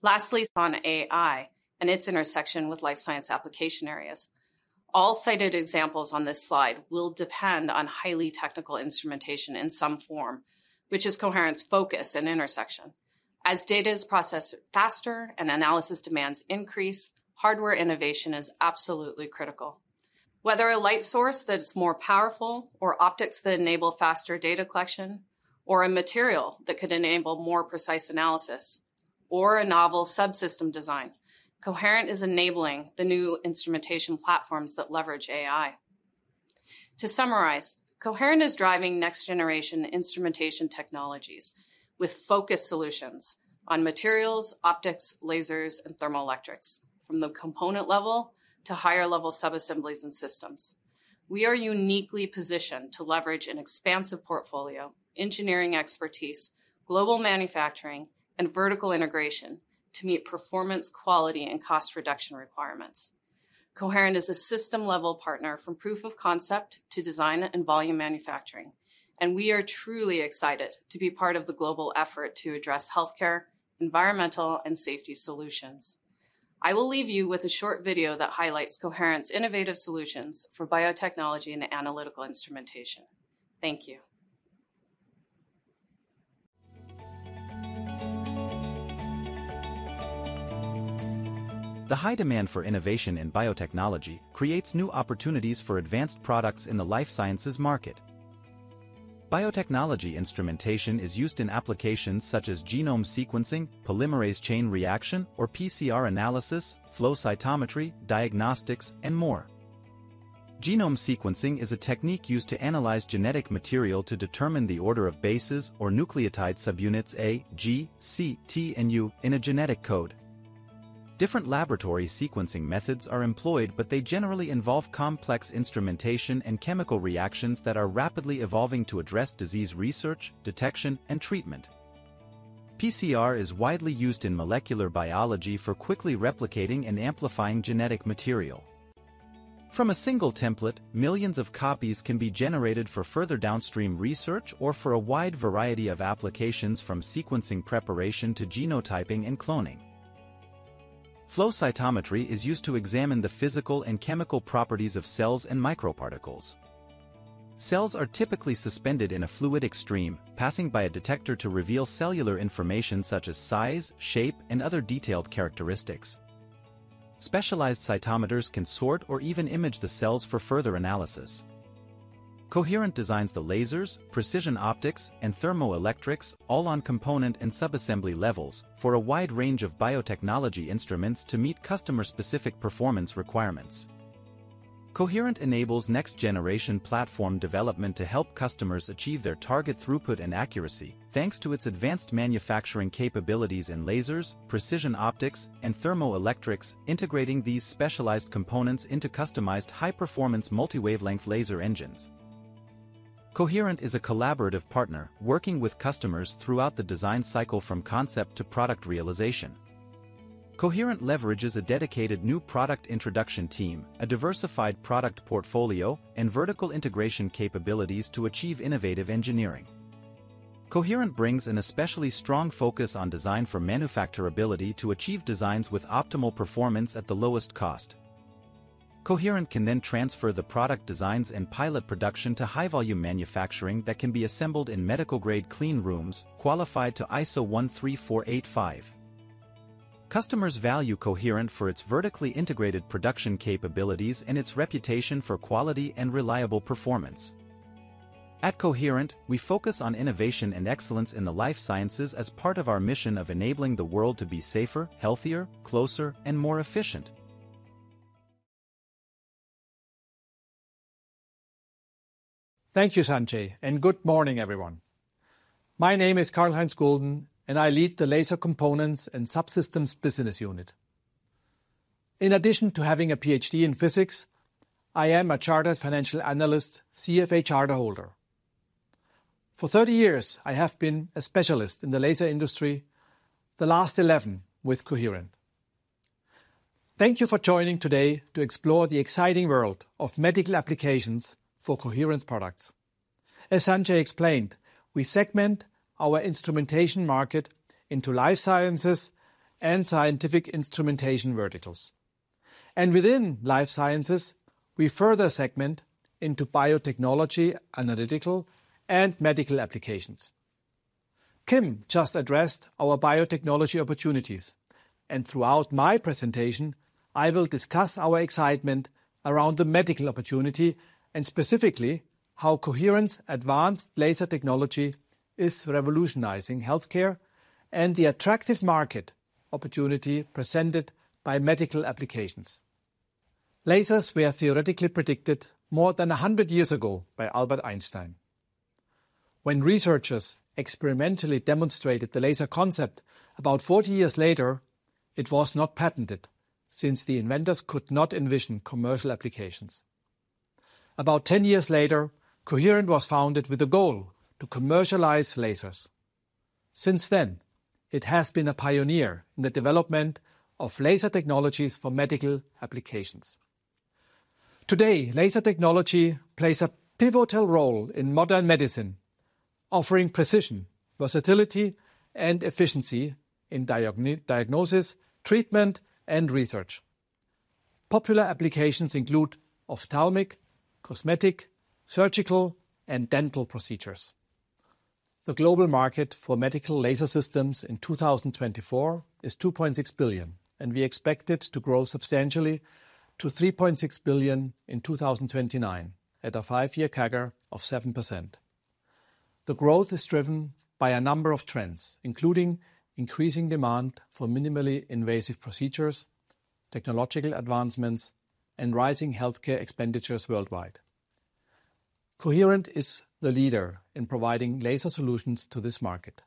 Lastly, on AI and its intersection with life science application areas, all cited examples on this slide will depend on highly technical instrumentation in some form, which is Coherent's focus and intersection. As data is processed faster and analysis demands increase, hardware innovation is absolutely critical. Whether a light source that's more powerful, or optics that enable faster data collection, or a material that could enable more precise analysis, or a novel subsystem design, Coherent is enabling the new instrumentation platforms that leverage AI. To summarize, Coherent is driving next-generation instrumentation technologies with focused solutions on materials, optics, lasers, and thermoelectrics, from the component level to higher-level subassemblies and systems. We are uniquely positioned to leverage an expansive portfolio of engineering expertise, global manufacturing, and vertical integration to meet performance, quality, and cost reduction requirements. Coherent is a system-level partner from proof of concept to design and volume manufacturing, and we are truly excited to be part of the global effort to address healthcare, environmental, and safety solutions. I will leave you with a short video that highlights Coherent's innovative solutions for biotechnology and analytical instrumentation. Thank you. The high demand for innovation in biotechnology creates new opportunities for advanced products in the life sciences market. Biotechnology instrumentation is used in applications such as genome sequencing, polymerase chain reaction, or PCR analysis, flow cytometry, diagnostics, and more. Genome sequencing is a technique used to analyze genetic material to determine the order of bases or nucleotide subunits A, G, C, T, and U in a genetic code. Different laboratory sequencing methods are employed, but they generally involve complex instrumentation and chemical reactions that are rapidly evolving to address disease research, detection, and treatment. PCR is widely used in molecular biology for quickly replicating and amplifying genetic material. From a single template, millions of copies can be generated for further downstream research or for a wide variety of applications, from sequencing preparation to genotyping and cloning. Flow cytometry is used to examine the physical and chemical properties of cells and microparticles. Cells are typically suspended in a fluid stream, passing by a detector to reveal cellular information such as size, shape, and other detailed characteristics. Specialized cytometers can sort or even image the cells for further analysis. Coherent designs the lasers, precision optics, and thermoelectrics, all on component and subassembly levels, for a wide range of biotechnology instruments to meet customer-specific performance requirements. Coherent enables next-generation platform development to help customers achieve their target throughput and accuracy, thanks to its advanced manufacturing capabilities in lasers, precision optics, and thermoelectrics, integrating these specialized components into customized high-performance multi-wavelength laser engines. Coherent is a collaborative partner, working with customers throughout the design cycle from concept to product realization. Coherent leverages a dedicated new product introduction team, a diversified product portfolio, and vertical integration capabilities to achieve innovative engineering. Coherent brings an especially strong focus on design for manufacturability to achieve designs with optimal performance at the lowest cost. Coherent can then transfer the product designs and pilot production to high-volume manufacturing that can be assembled in medical-grade clean rooms, qualified to ISO 13485. Customers value Coherent for its vertically integrated production capabilities and its reputation for quality and reliable performance. At Coherent, we focus on innovation and excellence in the life sciences as part of our mission of enabling the world to be safer, healthier, closer, and more efficient. Thank you, Sanjai, and good morning, everyone. My name is Karlheinz Gulden, and I lead the Laser Components and Subsystems Business Unit. In addition to having a PhD in physics, I am a Chartered Financial Analyst, CFA charterholder. For 30 years, I have been a specialist in the laser industry, the last 11 with Coherent. Thank you for joining today to explore the exciting world of medical applications for Coherent's products. As Sanjai explained, we segment our instrumentation market into life sciences and scientific instrumentation verticals. Within life sciences, we further segment into biotechnology, analytical, and medical applications. Kim just addressed our biotechnology opportunities, and throughout my presentation, I will discuss our excitement around the medical opportunity and specifically how Coherent's advanced laser technology is revolutionizing healthcare and the attractive market opportunity presented by medical applications. Lasers were theoretically predicted more than 100 years ago by Albert Einstein. When researchers experimentally demonstrated the laser concept about 40 years later, it was not patented since the inventors could not envision commercial applications. About 10 years later, Coherent was founded with the goal to commercialize lasers. Since then, it has been a pioneer in the development of laser technologies for medical applications. Today, laser technology plays a pivotal role in modern medicine, offering precision, versatility, and efficiency in diagnosis, treatment, and research. Popular applications include ophthalmic, cosmetic, surgical, and dental procedures. The global market for medical laser systems in 2024 is $2.6 billion, and we expect it to grow substantially to $3.6 billion in 2029 at a five-year CAGR of 7%. The growth is driven by a number of trends, including increasing demand for minimally invasive procedures, technological advancements, and rising healthcare expenditures worldwide. Coherent is the leader in providing laser solutions to this market.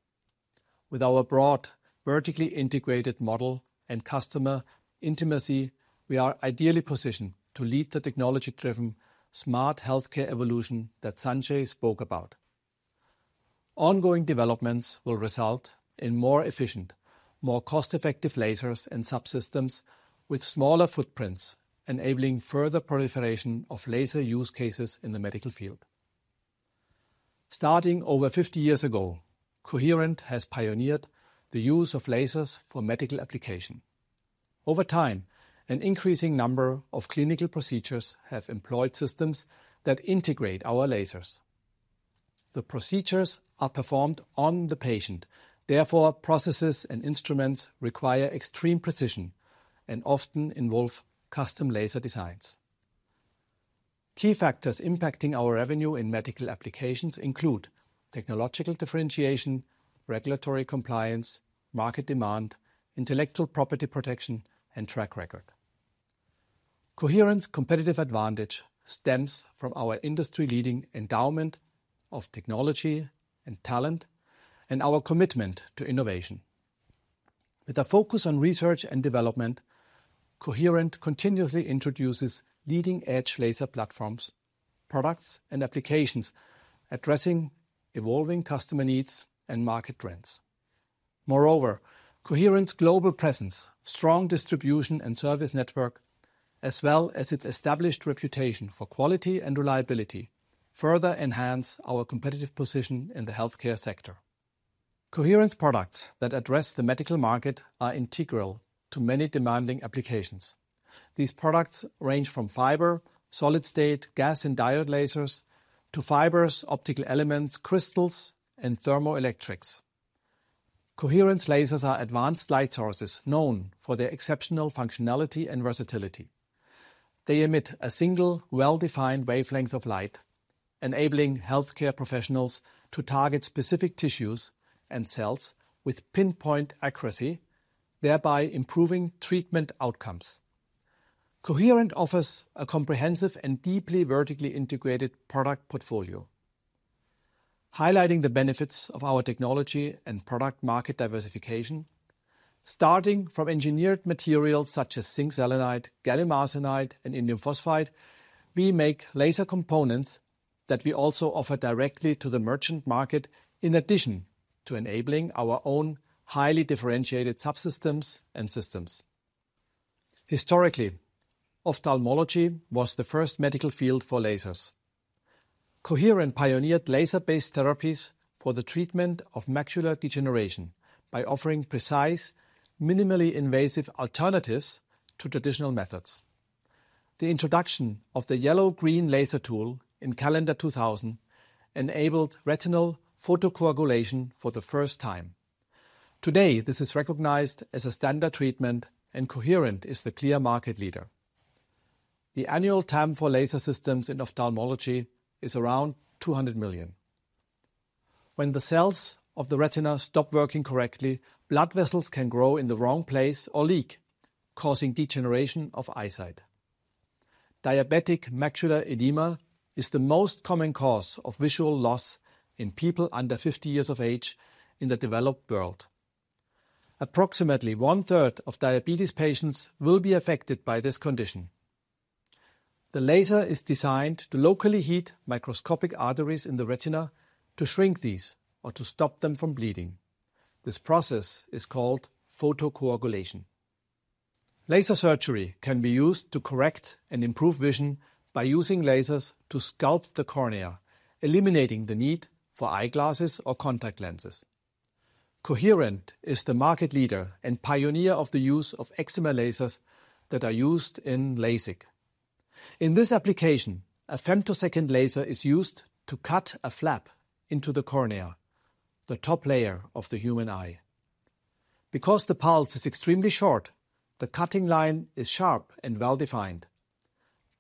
With our broad, vertically integrated model and customer intimacy, we are ideally positioned to lead the technology-driven smart healthcare evolution that Sanjai spoke about. Ongoing developments will result in more efficient, more cost-effective lasers and subsystems with smaller footprints, enabling further proliferation of laser use cases in the medical field. Starting over 50 years ago, Coherent has pioneered the use of lasers for medical application. Over time, an increasing number of clinical procedures have employed systems that integrate our lasers. The procedures are performed on the patient. Therefore, processes and instruments require extreme precision and often involve custom laser designs. Key factors impacting our revenue in medical applications include technological differentiation, regulatory compliance, market demand, intellectual property protection, and track record. Coherent's competitive advantage stems from our industry-leading endowment of technology and talent and our commitment to innovation. With a focus on research and development, Coherent continuously introduces leading-edge laser platforms, products, and applications, addressing evolving customer needs and market trends. Moreover, Coherent's global presence, strong distribution and service network, as well as its established reputation for quality and reliability, further enhance our competitive position in the healthcare sector. Coherent's products that address the medical market are integral to many demanding applications. These products range from fiber, solid-state, gas, and diode lasers to fibers, optical elements, crystals, and thermoelectrics. Coherent's lasers are advanced light sources known for their exceptional functionality and versatility. They emit a single, well-defined wavelength of light, enabling healthcare professionals to target specific tissues and cells with pinpoint accuracy, thereby improving treatment outcomes. Coherent offers a comprehensive and deeply vertically integrated product portfolio, highlighting the benefits of our technology and product market diversification. Starting from engineered materials such as zinc selenide, gallium arsenide, and indium phosphide, we make laser components that we also offer directly to the merchant market, in addition to enabling our own highly differentiated subsystems and systems. Historically, ophthalmology was the first medical field for lasers. Coherent pioneered laser-based therapies for the treatment of macular degeneration by offering precise, minimally invasive alternatives to traditional methods. The introduction of the yellow-green laser tool in calendar 2000 enabled retinal photocoagulation for the first time. Today, this is recognized as a standard treatment, and Coherent is the clear market leader. The annual TAM for laser systems in ophthalmology is around $200 million. When the cells of the retina stop working correctly, blood vessels can grow in the wrong place or leak, causing degeneration of eyesight. Diabetic macular edema is the most common cause of visual loss in people under 50 years of age in the developed world. Approximately one-third of diabetes patients will be affected by this condition. The laser is designed to locally heat microscopic arteries in the retina to shrink these or to stop them from bleeding. This process is called photocoagulation. Laser surgery can be used to correct and improve vision by using lasers to sculpt the cornea, eliminating the need for eyeglasses or contact lenses. Coherent is the market leader and pioneer of the use of excimer lasers that are used in LASIK. In this application, a femtosecond laser is used to cut a flap into the cornea, the top layer of the human eye. Because the pulse is extremely short, the cutting line is sharp and well-defined,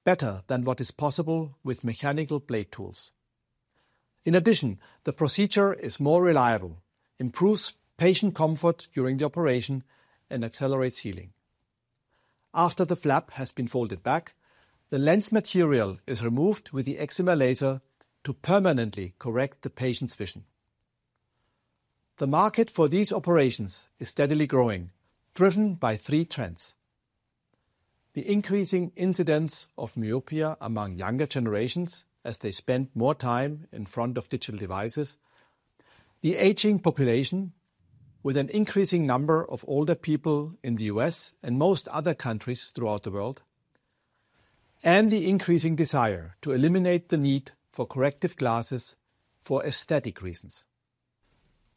better than what is possible with mechanical blade tools. In addition, the procedure is more reliable, improves patient comfort during the operation, and accelerates healing. After the flap has been folded back, the lens material is removed with the excimer laser to permanently correct the patient's vision. The market for these operations is steadily growing, driven by three trends: the increasing incidence of myopia among younger generations as they spend more time in front of digital devices; the aging population with an increasing number of older people in the U.S. and most other countries throughout the world; and the increasing desire to eliminate the need for corrective glasses for aesthetic reasons.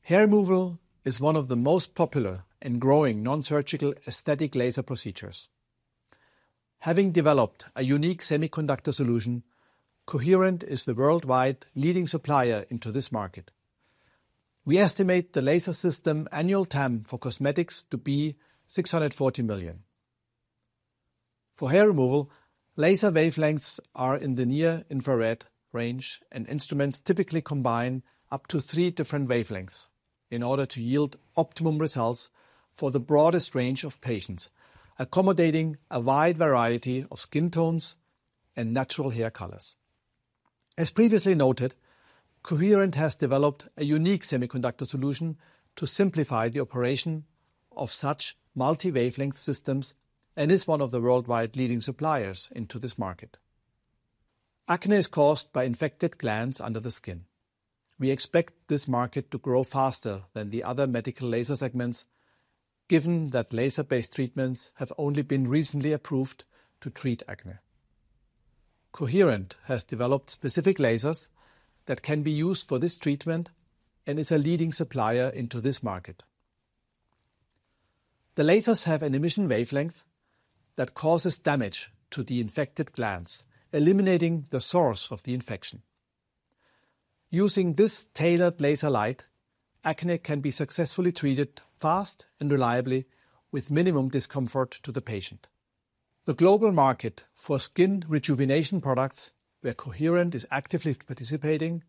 Hair removal is one of the most popular and growing non-surgical aesthetic laser procedures. Having developed a unique semiconductor solution, Coherent is the worldwide leading supplier into this market. We estimate the laser system annual TAM for cosmetics to be $640 million. For hair removal, laser wavelengths are in the near-infrared range, and instruments typically combine up to three different wavelengths in order to yield optimum results for the broadest range of patients, accommodating a wide variety of skin tones and natural hair colors. As previously noted, Coherent has developed a unique semiconductor solution to simplify the operation of such multi-wavelength systems and is one of the worldwide leading suppliers into this market. Acne is caused by infected glands under the skin. We expect this market to grow faster than the other medical laser segments, given that laser-based treatments have only been recently approved to treat acne. Coherent has developed specific lasers that can be used for this treatment and is a leading supplier into this market. The lasers have an emission wavelength that causes damage to the infected glands, eliminating the source of the infection. Using this tailored laser light, acne can be successfully treated fast and reliably with minimum discomfort to the patient. The global market for skin rejuvenation products, where Coherent is actively participating,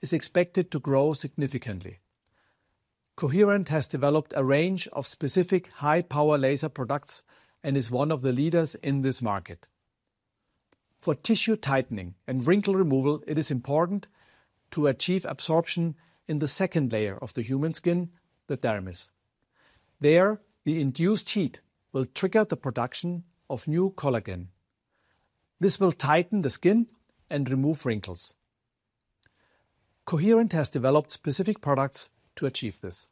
is expected to grow significantly. Coherent has developed a range of specific high-power laser products and is one of the leaders in this market. For tissue tightening and wrinkle removal, it is important to achieve absorption in the second layer of the human skin, the dermis. There, the induced heat will trigger the production of new collagen. This will tighten the skin and remove wrinkles. Coherent has developed specific products to achieve this.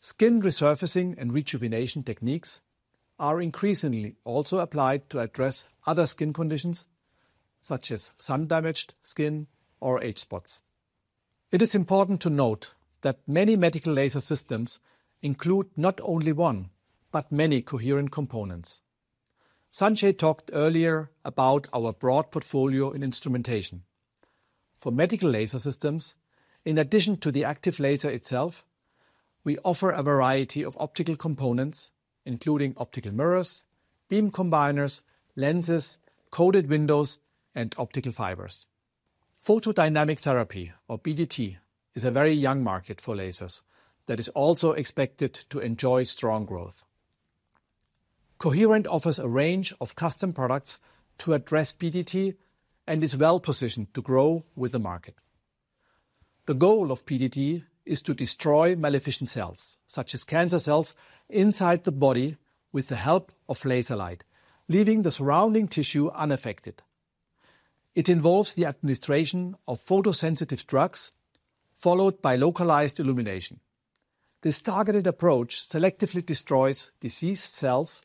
Skin resurfacing and rejuvenation techniques are increasingly also applied to address other skin conditions such as sun-damaged skin or age spots. It is important to note that many medical laser systems include not only one but many Coherent components. Sanjai talked earlier about our broad portfolio in instrumentation. For medical laser systems, in addition to the active laser itself, we offer a variety of optical components, including optical mirrors, beam combiners, lenses, coated windows, and optical fibers. Photodynamic therapy, or PDT, is a very young market for lasers that is also expected to enjoy strong growth. Coherent offers a range of custom products to address PDT and is well-positioned to grow with the market. The goal of PDT is to destroy malignant cells such as cancer cells inside the body with the help of laser light, leaving the surrounding tissue unaffected. It involves the administration of photosensitive drugs followed by localized illumination. This targeted approach selectively destroys diseased cells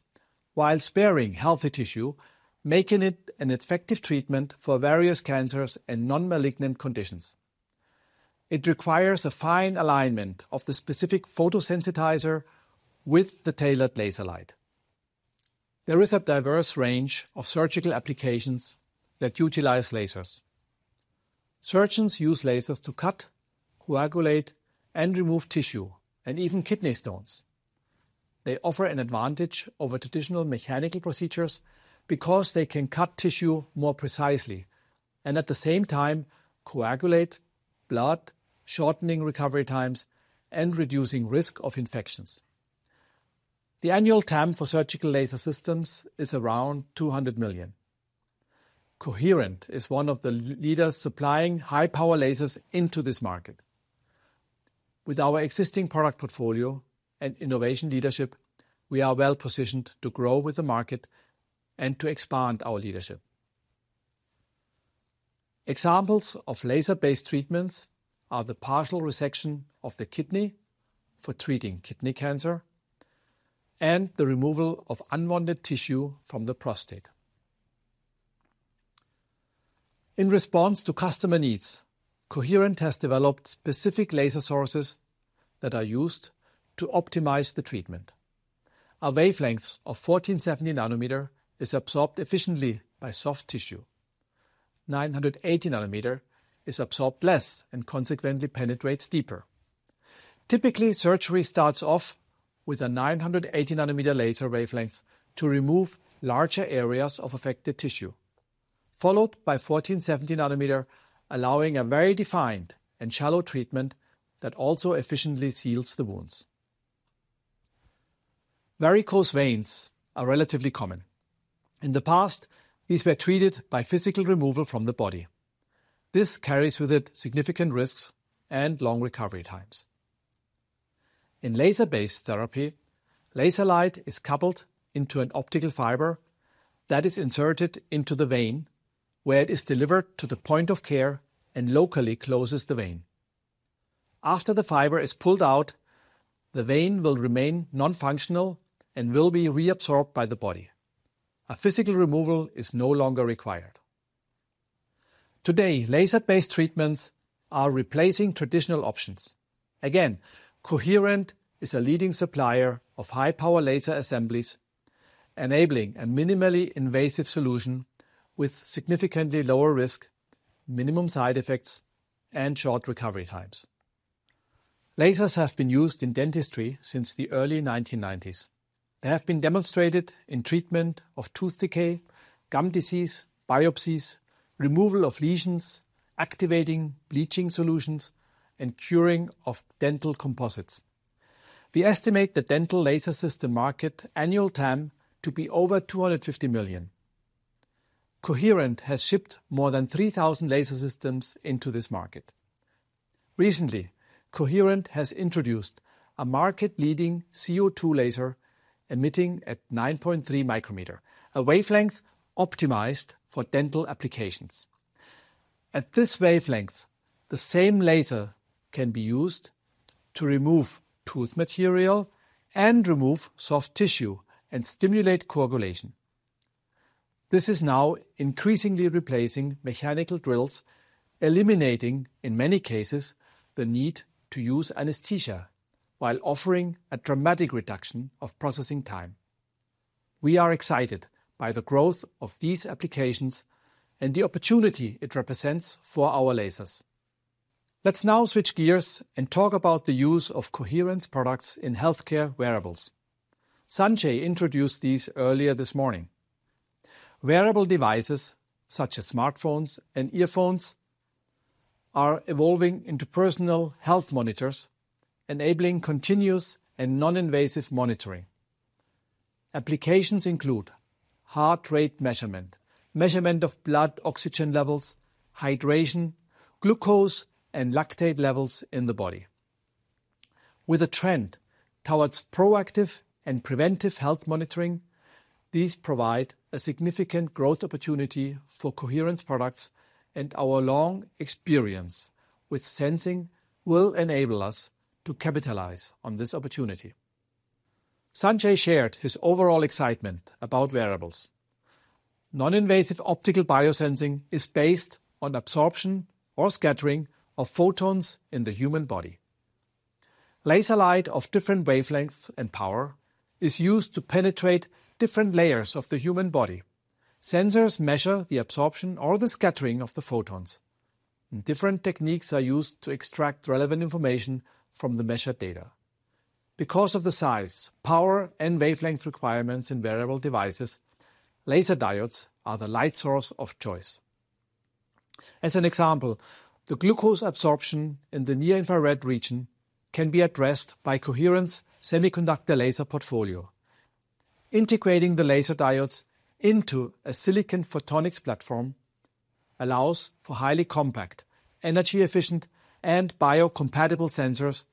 while sparing healthy tissue, making it an effective treatment for various cancers and non-malignant conditions. It requires a fine alignment of the specific photosensitizer with the tailored laser light. There is a diverse range of surgical applications that utilize lasers. Surgeons use lasers to cut, coagulate, and remove tissue and even kidney stones. They offer an advantage over traditional mechanical procedures because they can cut tissue more precisely and at the same time coagulate blood, shortening recovery times, and reducing risk of infections. The annual TAM for surgical laser systems is around $200 million. Coherent is one of the leaders supplying high-power lasers into this market. With our existing product portfolio and innovation leadership, we are well-positioned to grow with the market and to expand our leadership. Examples of laser-based treatments are the partial resection of the kidney for treating kidney cancer and the removal of unwanted tissue from the prostate. In response to customer needs, Coherent has developed specific laser sources that are used to optimize the treatment. A wavelength of 1470 nanometer is absorbed efficiently by soft tissue. 980 nanometer is absorbed less and consequently penetrates deeper. Typically, surgery starts off with a 980 nanometer laser wavelength to remove larger areas of affected tissue, followed by 1470 nanometer, allowing a very defined and shallow treatment that also efficiently seals the wounds. Varicose veins are relatively common. In the past, these were treated by physical removal from the body. This carries with it significant risks and long recovery times. In laser-based therapy, laser light is coupled into an optical fiber that is inserted into the vein, where it is delivered to the point of care and locally closes the vein. After the fiber is pulled out, the vein will remain non-functional and will be reabsorbed by the body. A physical removal is no longer required. Today, laser-based treatments are replacing traditional options. Again, Coherent is a leading supplier of high-power laser assemblies, enabling a minimally invasive solution with significantly lower risk, minimum side effects, and short recovery times. Lasers have been used in dentistry since the early 1990s. They have been demonstrated in treatment of tooth decay, gum disease, biopsies, removal of lesions, activating bleaching solutions, and curing of dental composites. We estimate the dental laser system market annual TAM to be over $250 million. Coherent has shipped more than 3,000 laser systems into this market. Recently, Coherent has introduced a market-leading CO2 laser emitting at 9.3 micrometer, a wavelength optimized for dental applications. At this wavelength, the same laser can be used to remove tooth material and remove soft tissue and stimulate coagulation. This is now increasingly replacing mechanical drills, eliminating in many cases the need to use anesthesia while offering a dramatic reduction of processing time. We are excited by the growth of these applications and the opportunity it represents for our lasers. Let's now switch gears and talk about the use of Coherent's products in healthcare wearables. Sanjai introduced these earlier this morning. Wearable devices such as smartphones and earphones are evolving into personal health monitors, enabling continuous and non-invasive monitoring. Applications include heart rate measurement, measurement of blood oxygen levels, hydration, glucose, and lactate levels in the body. With a trend towards proactive and preventive health monitoring, these provide a significant growth opportunity for Coherent's products, and our long experience with sensing will enable us to capitalize on this opportunity. Sanjai shared his overall excitement about wearables. Non-invasive optical biosensing is based on absorption or scattering of photons in the human body. Laser light of different wavelengths and power is used to penetrate different layers of the human body. Sensors measure the absorption or the scattering of the photons, and different techniques are used to extract relevant information from the measured data. Because of the size, power, and wavelength requirements in wearable devices, laser diodes are the light source of choice. As an example, the glucose absorption in the near-infrared region can be addressed by Coherent's semiconductor laser portfolio. Integrating the laser diodes into a silicon photonics platform allows for highly compact, energy-efficient, and biocompatible sensors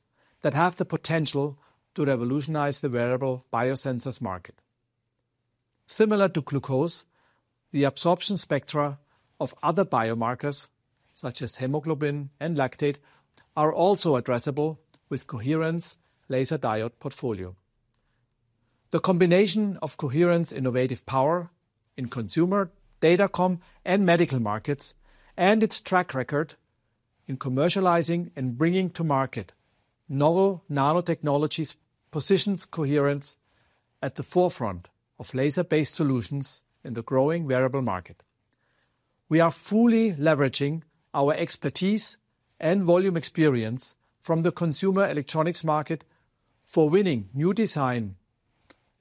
that have the potential to revolutionize the wearable biosensors market. Similar to glucose, the absorption spectra of other biomarkers such as hemoglobin and lactate are also addressable with Coherent's laser diode portfolio. The combination of Coherent's innovative power in consumer datacom and medical markets and its track record in commercializing and bringing to market novel nanotechnologies positions Coherent at the forefront of laser-based solutions in the growing wearable market. We are fully leveraging our expertise and volume experience from the consumer electronics market for winning new designs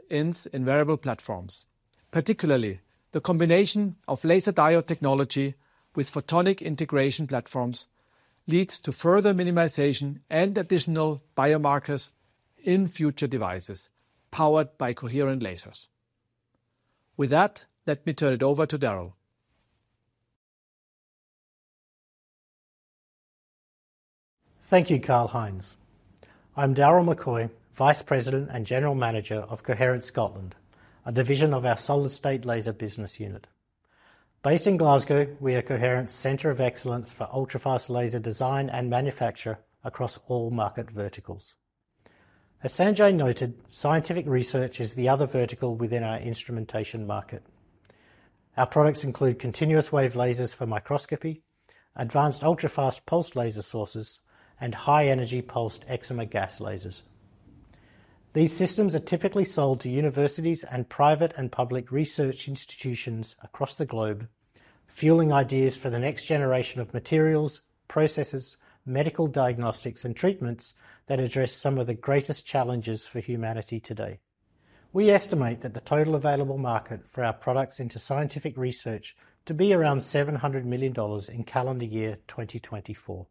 in wearable platforms. Particularly, the combination of laser diode technology with photonic integration platforms leads to further minimization and additional biomarkers in future devices powered by Coherent lasers. With that, let me turn it over to Darryl. Thank you, Karlheinz.I'm Darryl McCoy, Vice President and General Manager of Coherent Scotland, a division of our solid-state laser business unit. Based in Glasgow, we are Coherent's center of excellence for ultrafast laser design and manufacture across all market verticals. As Sanjai noted, scientific research is the other vertical within our instrumentation market. Our products include continuous wave lasers for microscopy, advanced ultrafast pulsed laser sources, and high-energy pulsed excimer gas lasers. These systems are typically sold to universities and private and public research institutions across the globe, fueling ideas for the next generation of materials, processes, medical diagnostics, and treatments that address some of the greatest challenges for humanity today. We estimate that the total available market for our products into scientific research to be around $700 million in calendar year 2024.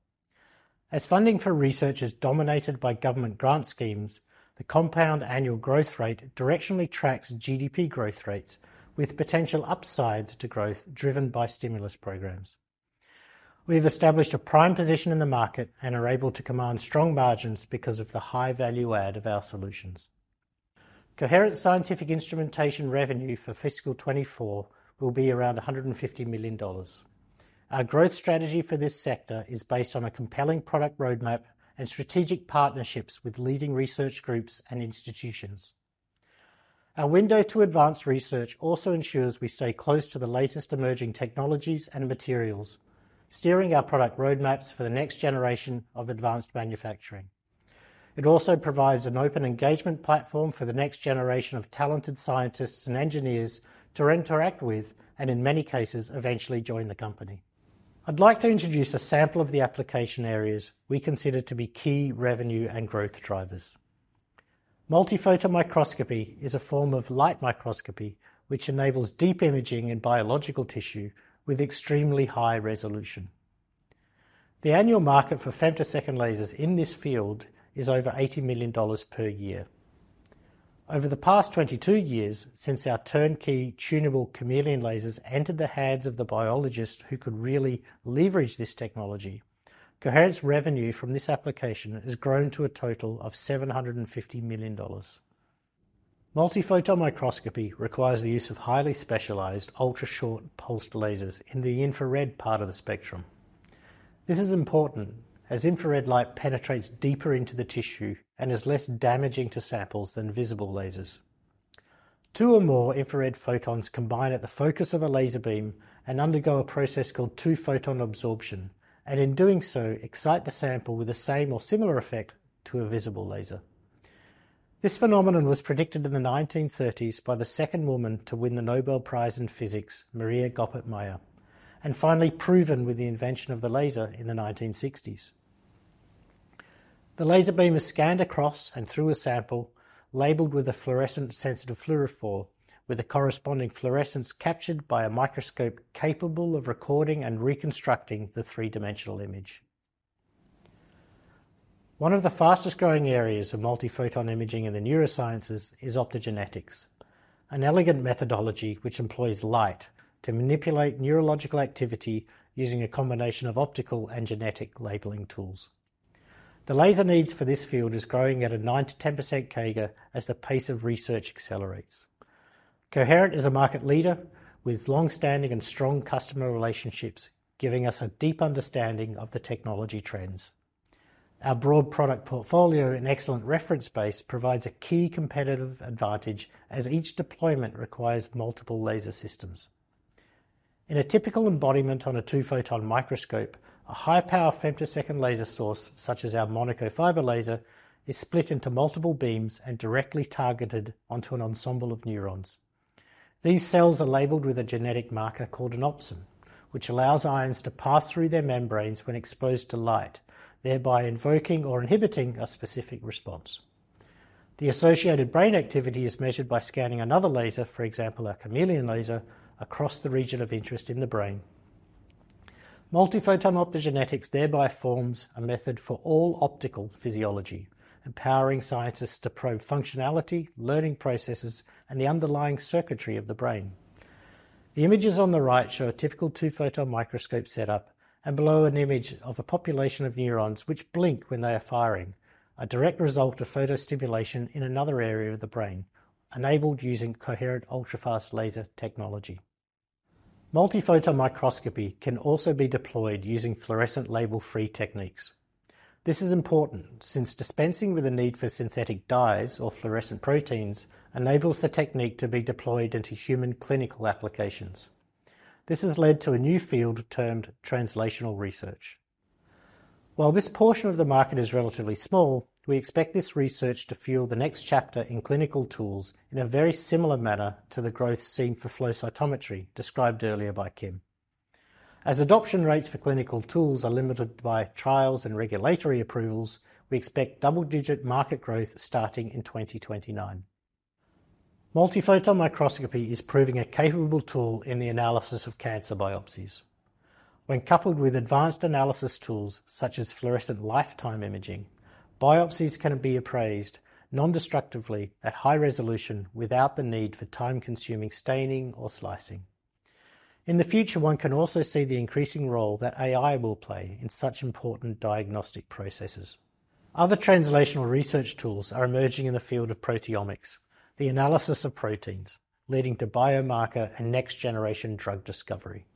As funding for research is dominated by government grant schemes, the compound annual growth rate directionally tracks GDP growth rates with potential upside to growth driven by stimulus programs. We have established a prime position in the market and are able to command strong margins because of the high value add of our solutions. Coherent's scientific instrumentation revenue for fiscal 2024 will be around $150 million. Our growth strategy for this sector is based on a compelling product roadmap and strategic partnerships with leading research groups and institutions. Our window to advance research also ensures we stay close to the latest emerging technologies and materials, steering our product roadmaps for the next generation of advanced manufacturing. It also provides an open engagement platform for the next generation of talented scientists and engineers to interact with and, in many cases, eventually join the company. I'd like to introduce a sample of the application areas we consider to be key revenue and growth drivers. Multiphoton microscopy is a form of light microscopy which enables deep imaging in biological tissue with extremely high resolution. The annual market for femtosecond lasers in this field is over $80 million per year. Over the past 22 years since our turnkey tunable Chameleon lasers entered the hands of the biologist who could really leverage this technology, Coherent's revenue from this application has grown to a total of $750 million. microscopy requires the use of highly specialized ultra-short pulsed lasers in the infrared part of the spectrum. This is important as infrared light penetrates deeper into the tissue and is less damaging to samples than visible lasers. Two or more infrared photons combine at the focus of a laser beam and undergo a process called two-photon absorption, and in doing so, excite the sample with the same or similar effect to a visible laser. This phenomenon was predicted in the 1930s by the second woman to win the Nobel Prize in Physics, Maria Goppert Mayer, and finally proven with the invention of the laser in the 1960s. The laser beam is scanned across and through a sample labeled with a fluorescent sensitive fluorophore, with the corresponding fluorescence captured by a microscope capable of recording and reconstructing the three-dimensional image. One of the fastest-growing areas of multiphoton imaging in the neurosciences is optogenetics, an elegant methodology which employs light to manipulate neurological activity using a combination of optical and genetic labeling tools. The laser needs for this field are growing at a 9%-10% CAGR as the pace of research accelerates. Coherent is a market leader with longstanding and strong customer relationships, giving us a deep understanding of the technology trends. Our broad product portfolio and excellent reference base provides a key competitive advantage as each deployment requires multiple laser systems. In a typical embodiment on a two-photon microscope, a high-power femtosecond laser source such as our Monaco fiber laser is split into multiple beams and directly targeted onto an ensemble of neurons. These cells are labeled with a genetic marker called an opsin, which allows ions to pass through their membranes when exposed to light, thereby invoking or inhibiting a specific response. The associated brain activity is measured by scanning another laser, for example, a Chameleon laser, across the region of interest in the brain. Multiphoton optogenetics thereby forms a method for all optical physiology, empowering scientists to probe functionality, learning processes, and the underlying circuitry of the brain. The images on the right show a typical two-photon microscope setup, and below an image of a population of neurons which blink when they are firing, a direct result of photostimulation in another area of the brain enabled using Coherent ultrafast laser technology. Multiphoton microscopy can also be deployed using fluorescent label-free techniques. This is important since dispensing with the need for synthetic dyes or fluorescent proteins enables the technique to be deployed into human clinical applications. This has led to a new field termed translational research. While this portion of the market is relatively small, we expect this research to fuel the next chapter in clinical tools in a very similar manner to the growth seen for flow cytometry described earlier by Kim. As adoption rates for clinical tools are limited by trials and regulatory approvals, we expect double-digit market growth starting in 2029. Multiphoton microscopy is proving a capable tool in the analysis of cancer biopsies. When coupled with advanced analysis tools such as fluorescent lifetime imaging, biopsies can be appraised non-destructively at high resolution without the need for time-consuming staining or slicing. In the future, one can also see the increasing role that AI will play in such important diagnostic processes. Other translational research tools are emerging in the field of proteomics, the analysis of proteins, leading to biomarker and next-generation drug discovery.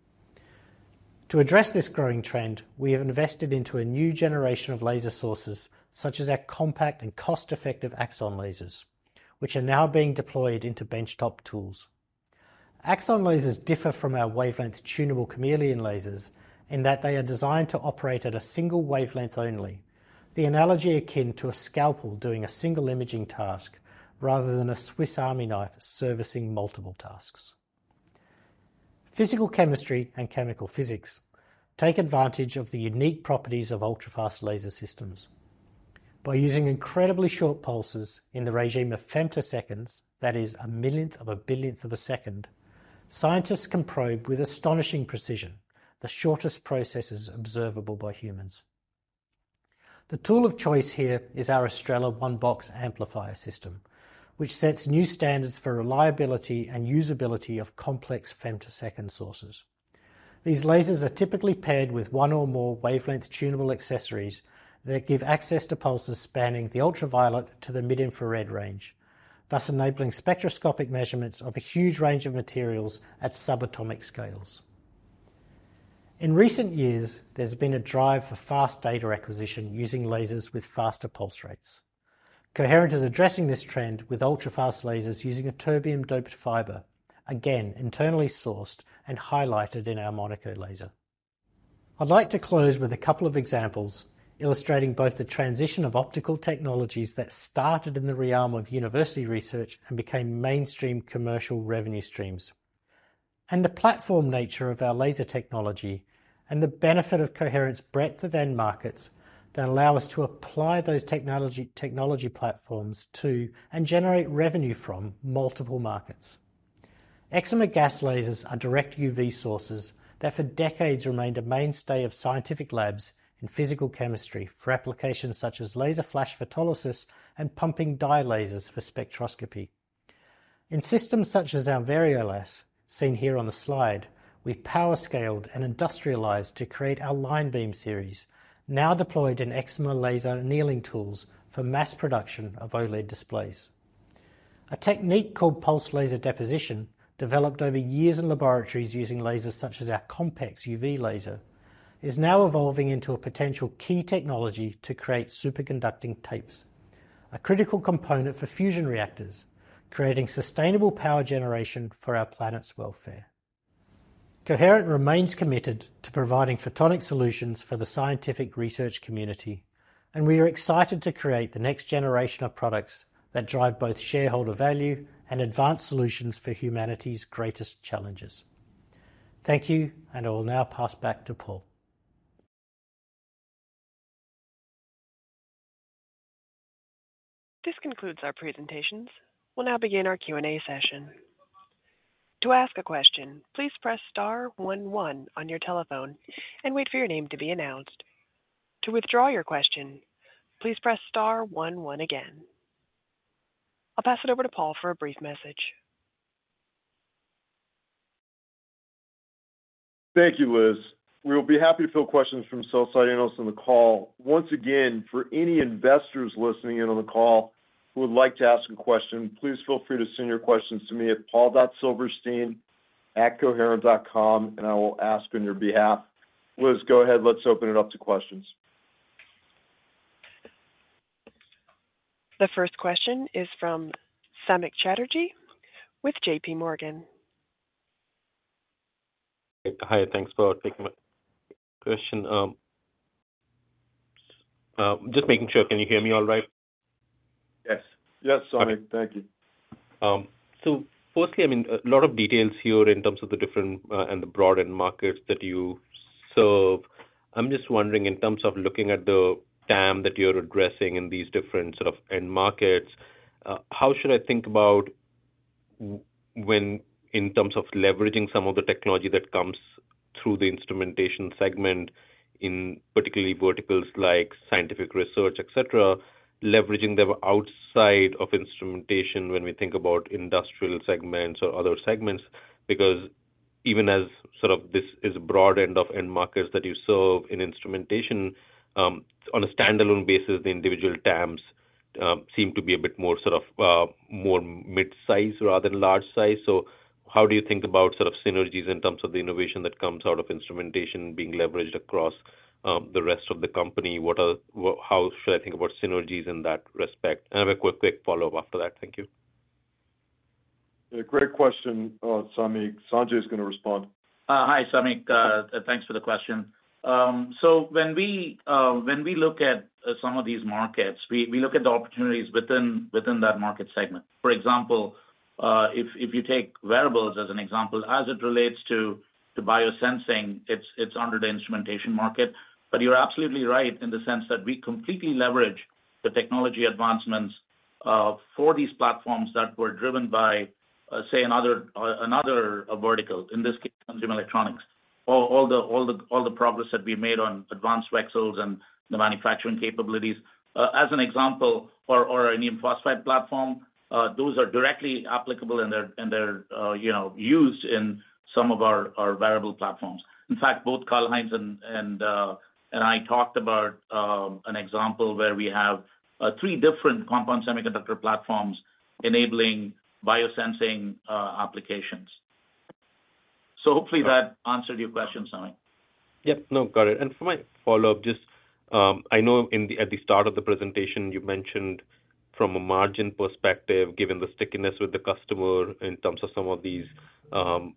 To address this growing trend, we have invested into a new generation of laser sources such as our compact and cost-effective Axon lasers, which are now being deployed into benchtop tools. Axon lasers differ from our wavelength tunable Chameleon lasers in that they are designed to operate at a single wavelength only, the analogy akin to a scalpel doing a single imaging task rather than a Swiss Army knife servicing multiple tasks. Physical chemistry and chemical physics take advantage of the unique properties of ultrafast laser systems. By using incredibly short pulses in the regime of femtoseconds, that is, a millionth of a billionth of a second, scientists can probe with astonishing precision the shortest processes observable by humans. The tool of choice here is our Astrella one-box amplifier system, which sets new standards for reliability and usability of complex femtosecond sources. These lasers are typically paired with one or more wavelength tunable accessories that give access to pulses spanning the ultraviolet to the mid-infrared range, thus enabling spectroscopic measurements of a huge range of materials at subatomic scales. In recent years, there's been a drive for fast data acquisition using lasers with faster pulse rates. Coherent is addressing this trend with ultrafast lasers using a ytterbium-doped fiber, again internally sourced and highlighted in our Monaco laser. I'd like to close with a couple of examples illustrating both the transition of optical technologies that started in the realm of university research and became mainstream commercial revenue streams, and the platform nature of our laser technology, and the benefit of Coherent's breadth of end markets that allow us to apply those technology platforms to and generate revenue from multiple markets. Excimer gas lasers are direct UV sources that for decades remained a mainstay of scientific labs in physical chemistry for applications such as laser flash photolysis and pumping dye lasers for spectroscopy. In systems such as our VarioLas, seen here on the slide, we power-scaled and industrialized to create our LineBeam series, now deployed in excimer laser annealing tools for mass production of OLED displays. A technique called pulsed laser deposition, developed over years in laboratories using lasers such as our COMPex UV laser, is now evolving into a potential key technology to create superconducting tapes, a critical component for fusion reactors, creating sustainable power generation for our planet's welfare. Coherent remains committed to providing photonic solutions for the scientific research community, and we are excited to create the next generation of products that drive both shareholder value and advanced solutions for humanity's greatest challenges. Thank you, and I will now pass back to Paul. This concludes our presentations. We'll now begin our Q&A session. To ask a question, please press star 11 on your telephone and wait for your name to be announced. To withdraw your question, please press star 11 again. I'll pass it over to Paul for a brief message. Thank you, Liz. We will be happy to field questions from sell-side analysts on the call. Once again, for any investors listening in on the call who would like to ask a question, please feel free to send your questions to me at paul.silverstein@coherent.com, and I will ask on your behalf. Liz, go ahead. Let's open it up to questions. The first question is from Samik Chatterjee with JPMorgan. Hi. Thanks for taking my question. Just making sure, can you hear me all right? Yes. Yes, Samik. Thank you. So firstly, I mean, a lot of details here in terms of the different and the broad end markets that you serve. I'm just wondering, in terms of looking at the TAM that you're addressing in these different sort of end markets, how should I think about, in terms of leveraging some of the technology that comes through the instrumentation segment in particularly verticals like scientific research, etc., leveraging them outside of instrumentation when we think about industrial segments or other segments? Because even as sort of this is a broad end of end markets that you serve in instrumentation, on a standalone basis, the individual TAMs seem to be a bit more sort of more mid-size rather than large-size. So how do you think about sort of synergies in terms of the innovation that comes out of instrumentation being leveraged across the rest of the company? How should I think about synergies in that respect? And I have a quick follow-up after that. Thank you. Great question, Samik. Sanjai is going to respond. Hi, Samik. Thanks for the question. So when we look at some of these markets, we look at the opportunities within that market segment. For example, if you take wearables as an example, as it relates to biosensing, it's under the instrumentation market. But you're absolutely right in the sense that we completely leverage the technology advancements for these platforms that were driven by, say, another vertical, in this case, consumer electronics, all the progress that we made on advanced VCSELs and the manufacturing capabilities. As an example, or an indium phosphide platform, those are directly applicable and they're used in some of our wearable platforms. In fact, both Karlheinz and I talked about an example where we have three different compound semiconductor platforms enabling biosensing applications. So hopefully, that answered your question, Samik. Yep. No, got it. And for my follow-up, just, I know at the start of the presentation, you mentioned from a margin perspective, given the stickiness with the customer in terms of some of these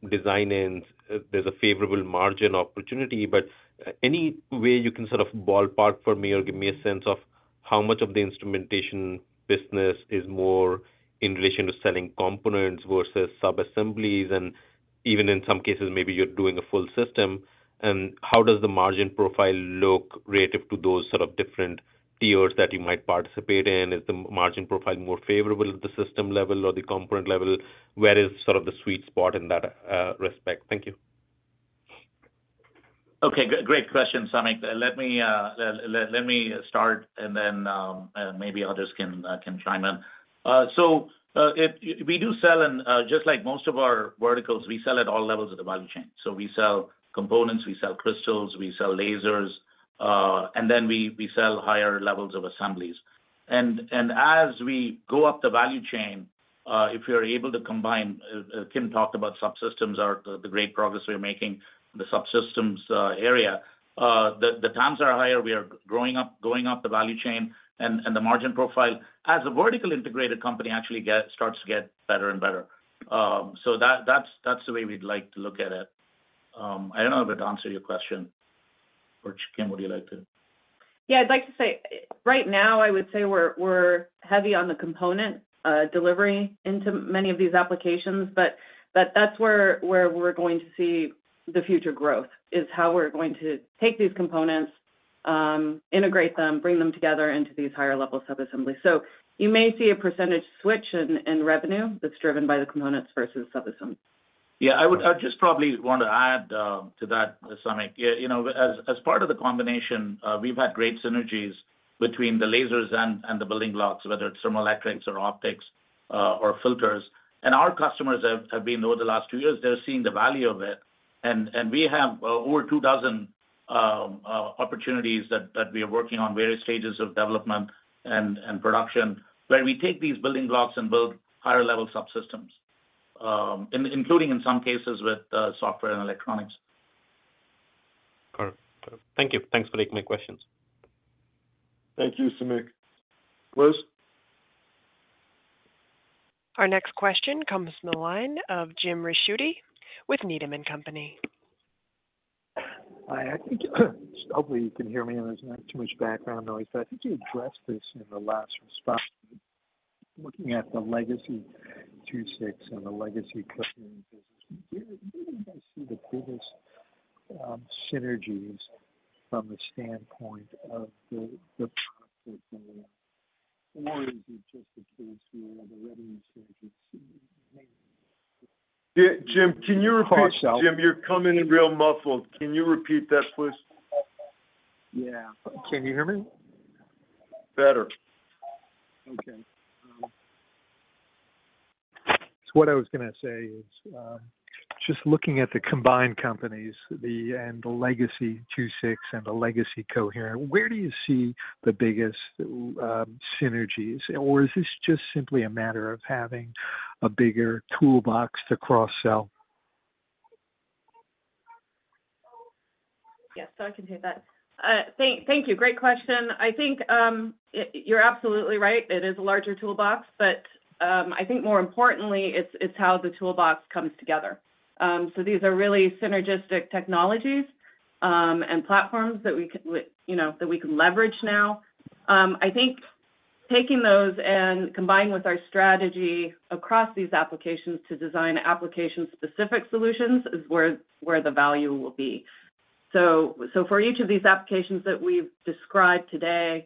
design-ins, there's a favorable margin opportunity. But any way you can sort of ballpark for me or give me a sense of how much of the instrumentation business is more in relation to selling components versus sub-assemblies, and even in some cases, maybe you're doing a full system, and how does the margin profile look relative to those sort of different tiers that you might participate in? Is the margin profile more favorable at the system level or the component level? Where is sort of the sweet spot in that respect? Thank you. Okay. Great question, Samik. Let me start, and then maybe others can chime in. So we do sell, and just like most of our verticals, we sell at all levels of the value chain. So we sell components, we sell crystals, we sell lasers, and then we sell higher levels of assemblies. And as we go up the value chain, if you're able to combine, Kim talked about subsystems are the great progress we're making in the subsystems area. The TAMs are higher. We are growing up the value chain and the margin profile as a vertical integrated company actually starts to get better and better. So that's the way we'd like to look at it. I don't know if it answered your question, or Kim, would you like to? Yeah. I'd like to say right now, I would say we're heavy on the component delivery into many of these applications. But that's where we're going to see the future growth, is how we're going to take these components, integrate them, bring them together into these higher-level sub-assemblies. So you may see a percentage switch in revenue that's driven by the components versus sub-assemblies. Yeah. I just probably want to add to that, Samik. As part of the combination, we've had great synergies between the lasers and the building blocks, whether it's thermoelectrics or optics or filters. And our customers have been over the last two years, they're seeing the value of it. And we have over two dozen opportunities that we are working on various stages of development and production where we take these building blocks and build higher-level subsystems, including in some cases with software and electronics. Got it. Thank you. Thanks for taking my questions. Thank you, Samik. Liz? Our next question comes from the line of Jim Ricchiuti with Needham & Company. Hi. I think hopefully, you can hear me. There's not too much background noise. But I think you addressed this in the last response. Looking at the legacy II-VI and the legacy customer business, where do you guys see the biggest synergies from the standpoint of the product that they are? Or is it just the case where the revenue synergies may not be? Jim, can you repeat? Myself. Jim, you're coming in real muffled. Can you repeat that, please? Yeah. Can you hear me? Better. Okay. So what I was going to say is just looking at the combined companies, and the legacy II-VI and the legacy Coherent, where do you see the biggest synergies? Or is this just simply a matter of having a bigger toolbox to cross-sell? Yes. So I can take that. Thank you. Great question. I think you're absolutely right. It is a larger toolbox. But I think more importantly, it's how the toolbox comes together. So these are really synergistic technologies and platforms that we can leverage now. I think taking those and combining with our strategy across these applications to design application-specific solutions is where the value will be. So for each of these applications that we've described today,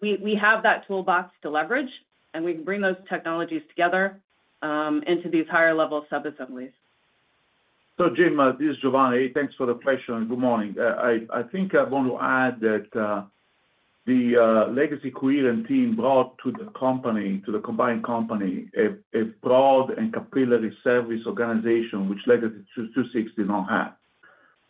we have that toolbox to leverage, and we can bring those technologies together into these higher-level sub-assemblies. So Jim, this is Giovanni Barbarossa. Thanks for the question. Good morning. I think I want to add that the legacy Coherent team brought to the company, to the combined company, a broad and capillary service organization which legacy II-VI did not have.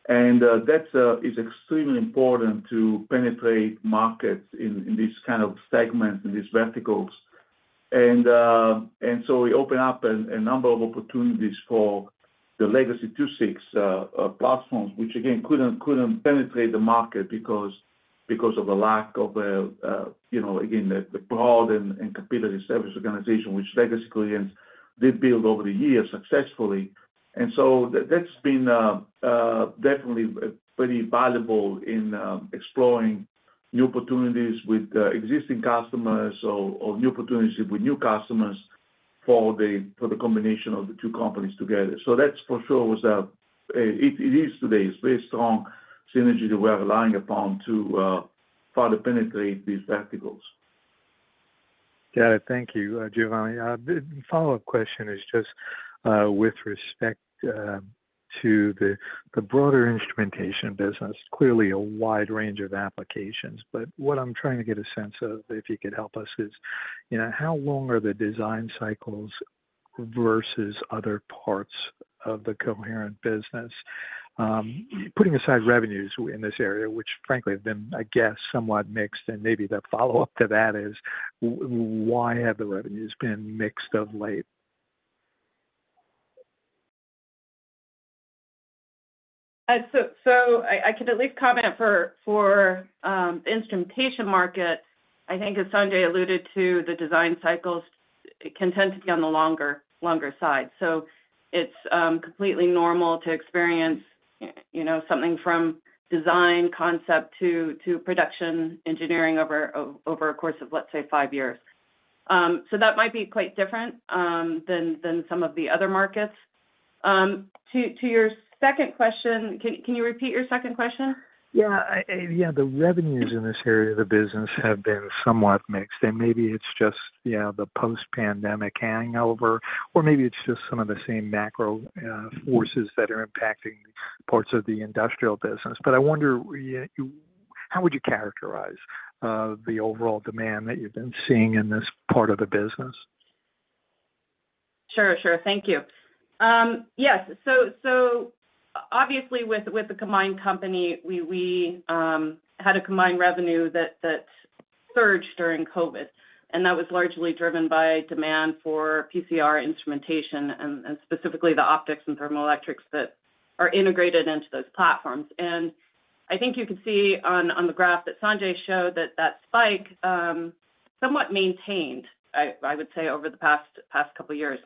That is extremely important to penetrate markets in these kind of segments, in these verticals. So it opened up a number of opportunities for the legacy II-VI platforms, which again couldn't penetrate the market because of the lack of, again, the broad and capillary service organization which legacy Coherent did build over the years successfully. So that's been definitely pretty valuable in exploring new opportunities with existing customers or new opportunities with new customers for the combination of the two companies together. So that's for sure was a it is today. It's a very strong synergy that we are relying upon to further penetrate these verticals. Got it. Thank you, Giovanni. Follow-up question is just with respect to the broader instrumentation business, clearly a wide range of applications. But what I'm trying to get a sense of, if you could help us, is how long are the design cycles versus other parts of the Coherent business? Putting aside revenues in this area, which frankly have been, I guess, somewhat mixed. And maybe the follow-up to that is, why have the revenues been mixed of late? So I can at least comment for the instrumentation market. I think as Sanjay alluded to, the design cycles can tend to be on the longer side. So it's completely normal to experience something from design concept to production engineering over a course of, let's say, five years. So that might be quite different than some of the other markets. To your second question, can you repeat your second question? Yeah. Yeah. The revenues in this area of the business have been somewhat mixed. Maybe it's just the post-pandemic hangover, or maybe it's just some of the same macro forces that are impacting parts of the industrial business. But I wonder, how would you characterize the overall demand that you've been seeing in this part of the business? Sure. Sure. Thank you. Yes. So obviously, with the combined company, we had a combined revenue that surged during COVID. And that was largely driven by demand for PCR instrumentation and specifically the optics and thermoelectrics that are integrated into those platforms. And I think you can see on the graph that Sanjai showed that that spike somewhat maintained, I would say, over the past couple of years.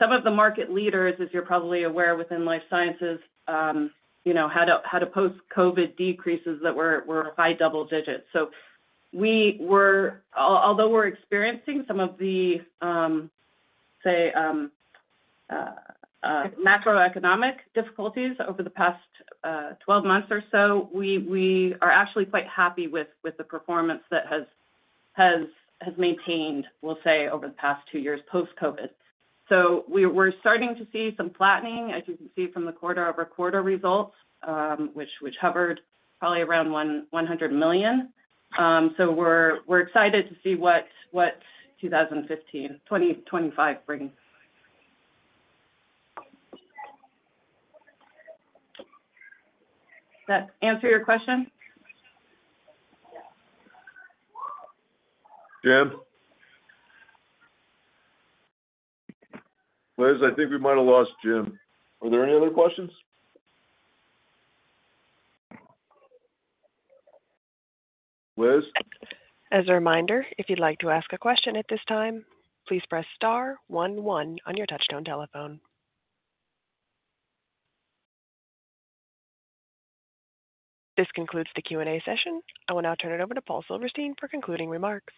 Now, some of the market leaders, as you're probably aware within life sciences, had a post-COVID decrease that were high double digits. So although we're experiencing some of the, say, macroeconomic difficulties over the past 12 months or so, we are actually quite happy with the performance that has maintained, we'll say, over the past two years post-COVID. So we're starting to see some flattening, as you can see from the quarter-over-quarter results, which hovered probably around $100 million. We're excited to see what 2025 brings. Does that answer your question? Jim? Liz, I think we might have lost Jim. Are there any other questions? Liz? As a reminder, if you'd like to ask a question at this time, please press star 11 on your touch-tone telephone. This concludes the Q&A session. I will now turn it over to Paul Silverstein for concluding remarks.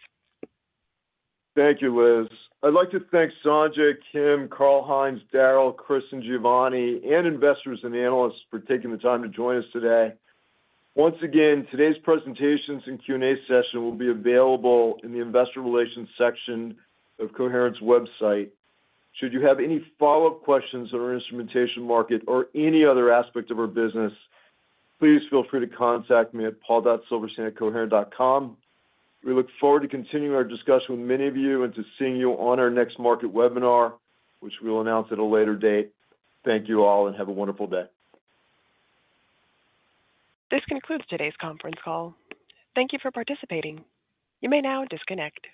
Thank you, Liz. I'd like to thank Sanjai, Kim, Karlheinz, Darryl, Chris, and Giovanni, and investors and analysts for taking the time to join us today. Once again, today's presentations and Q&A session will be available in the investor relations section of Coherent's website. Should you have any follow-up questions on our instrumentation market or any other aspect of our business, please feel free to contact me at paul.silverstein@coherent.com. We look forward to continuing our discussion with many of you and to seeing you on our next market webinar, which we'll announce at a later date. Thank you all, and have a wonderful day. This concludes today's conference call. Thank you for participating. You may now disconnect.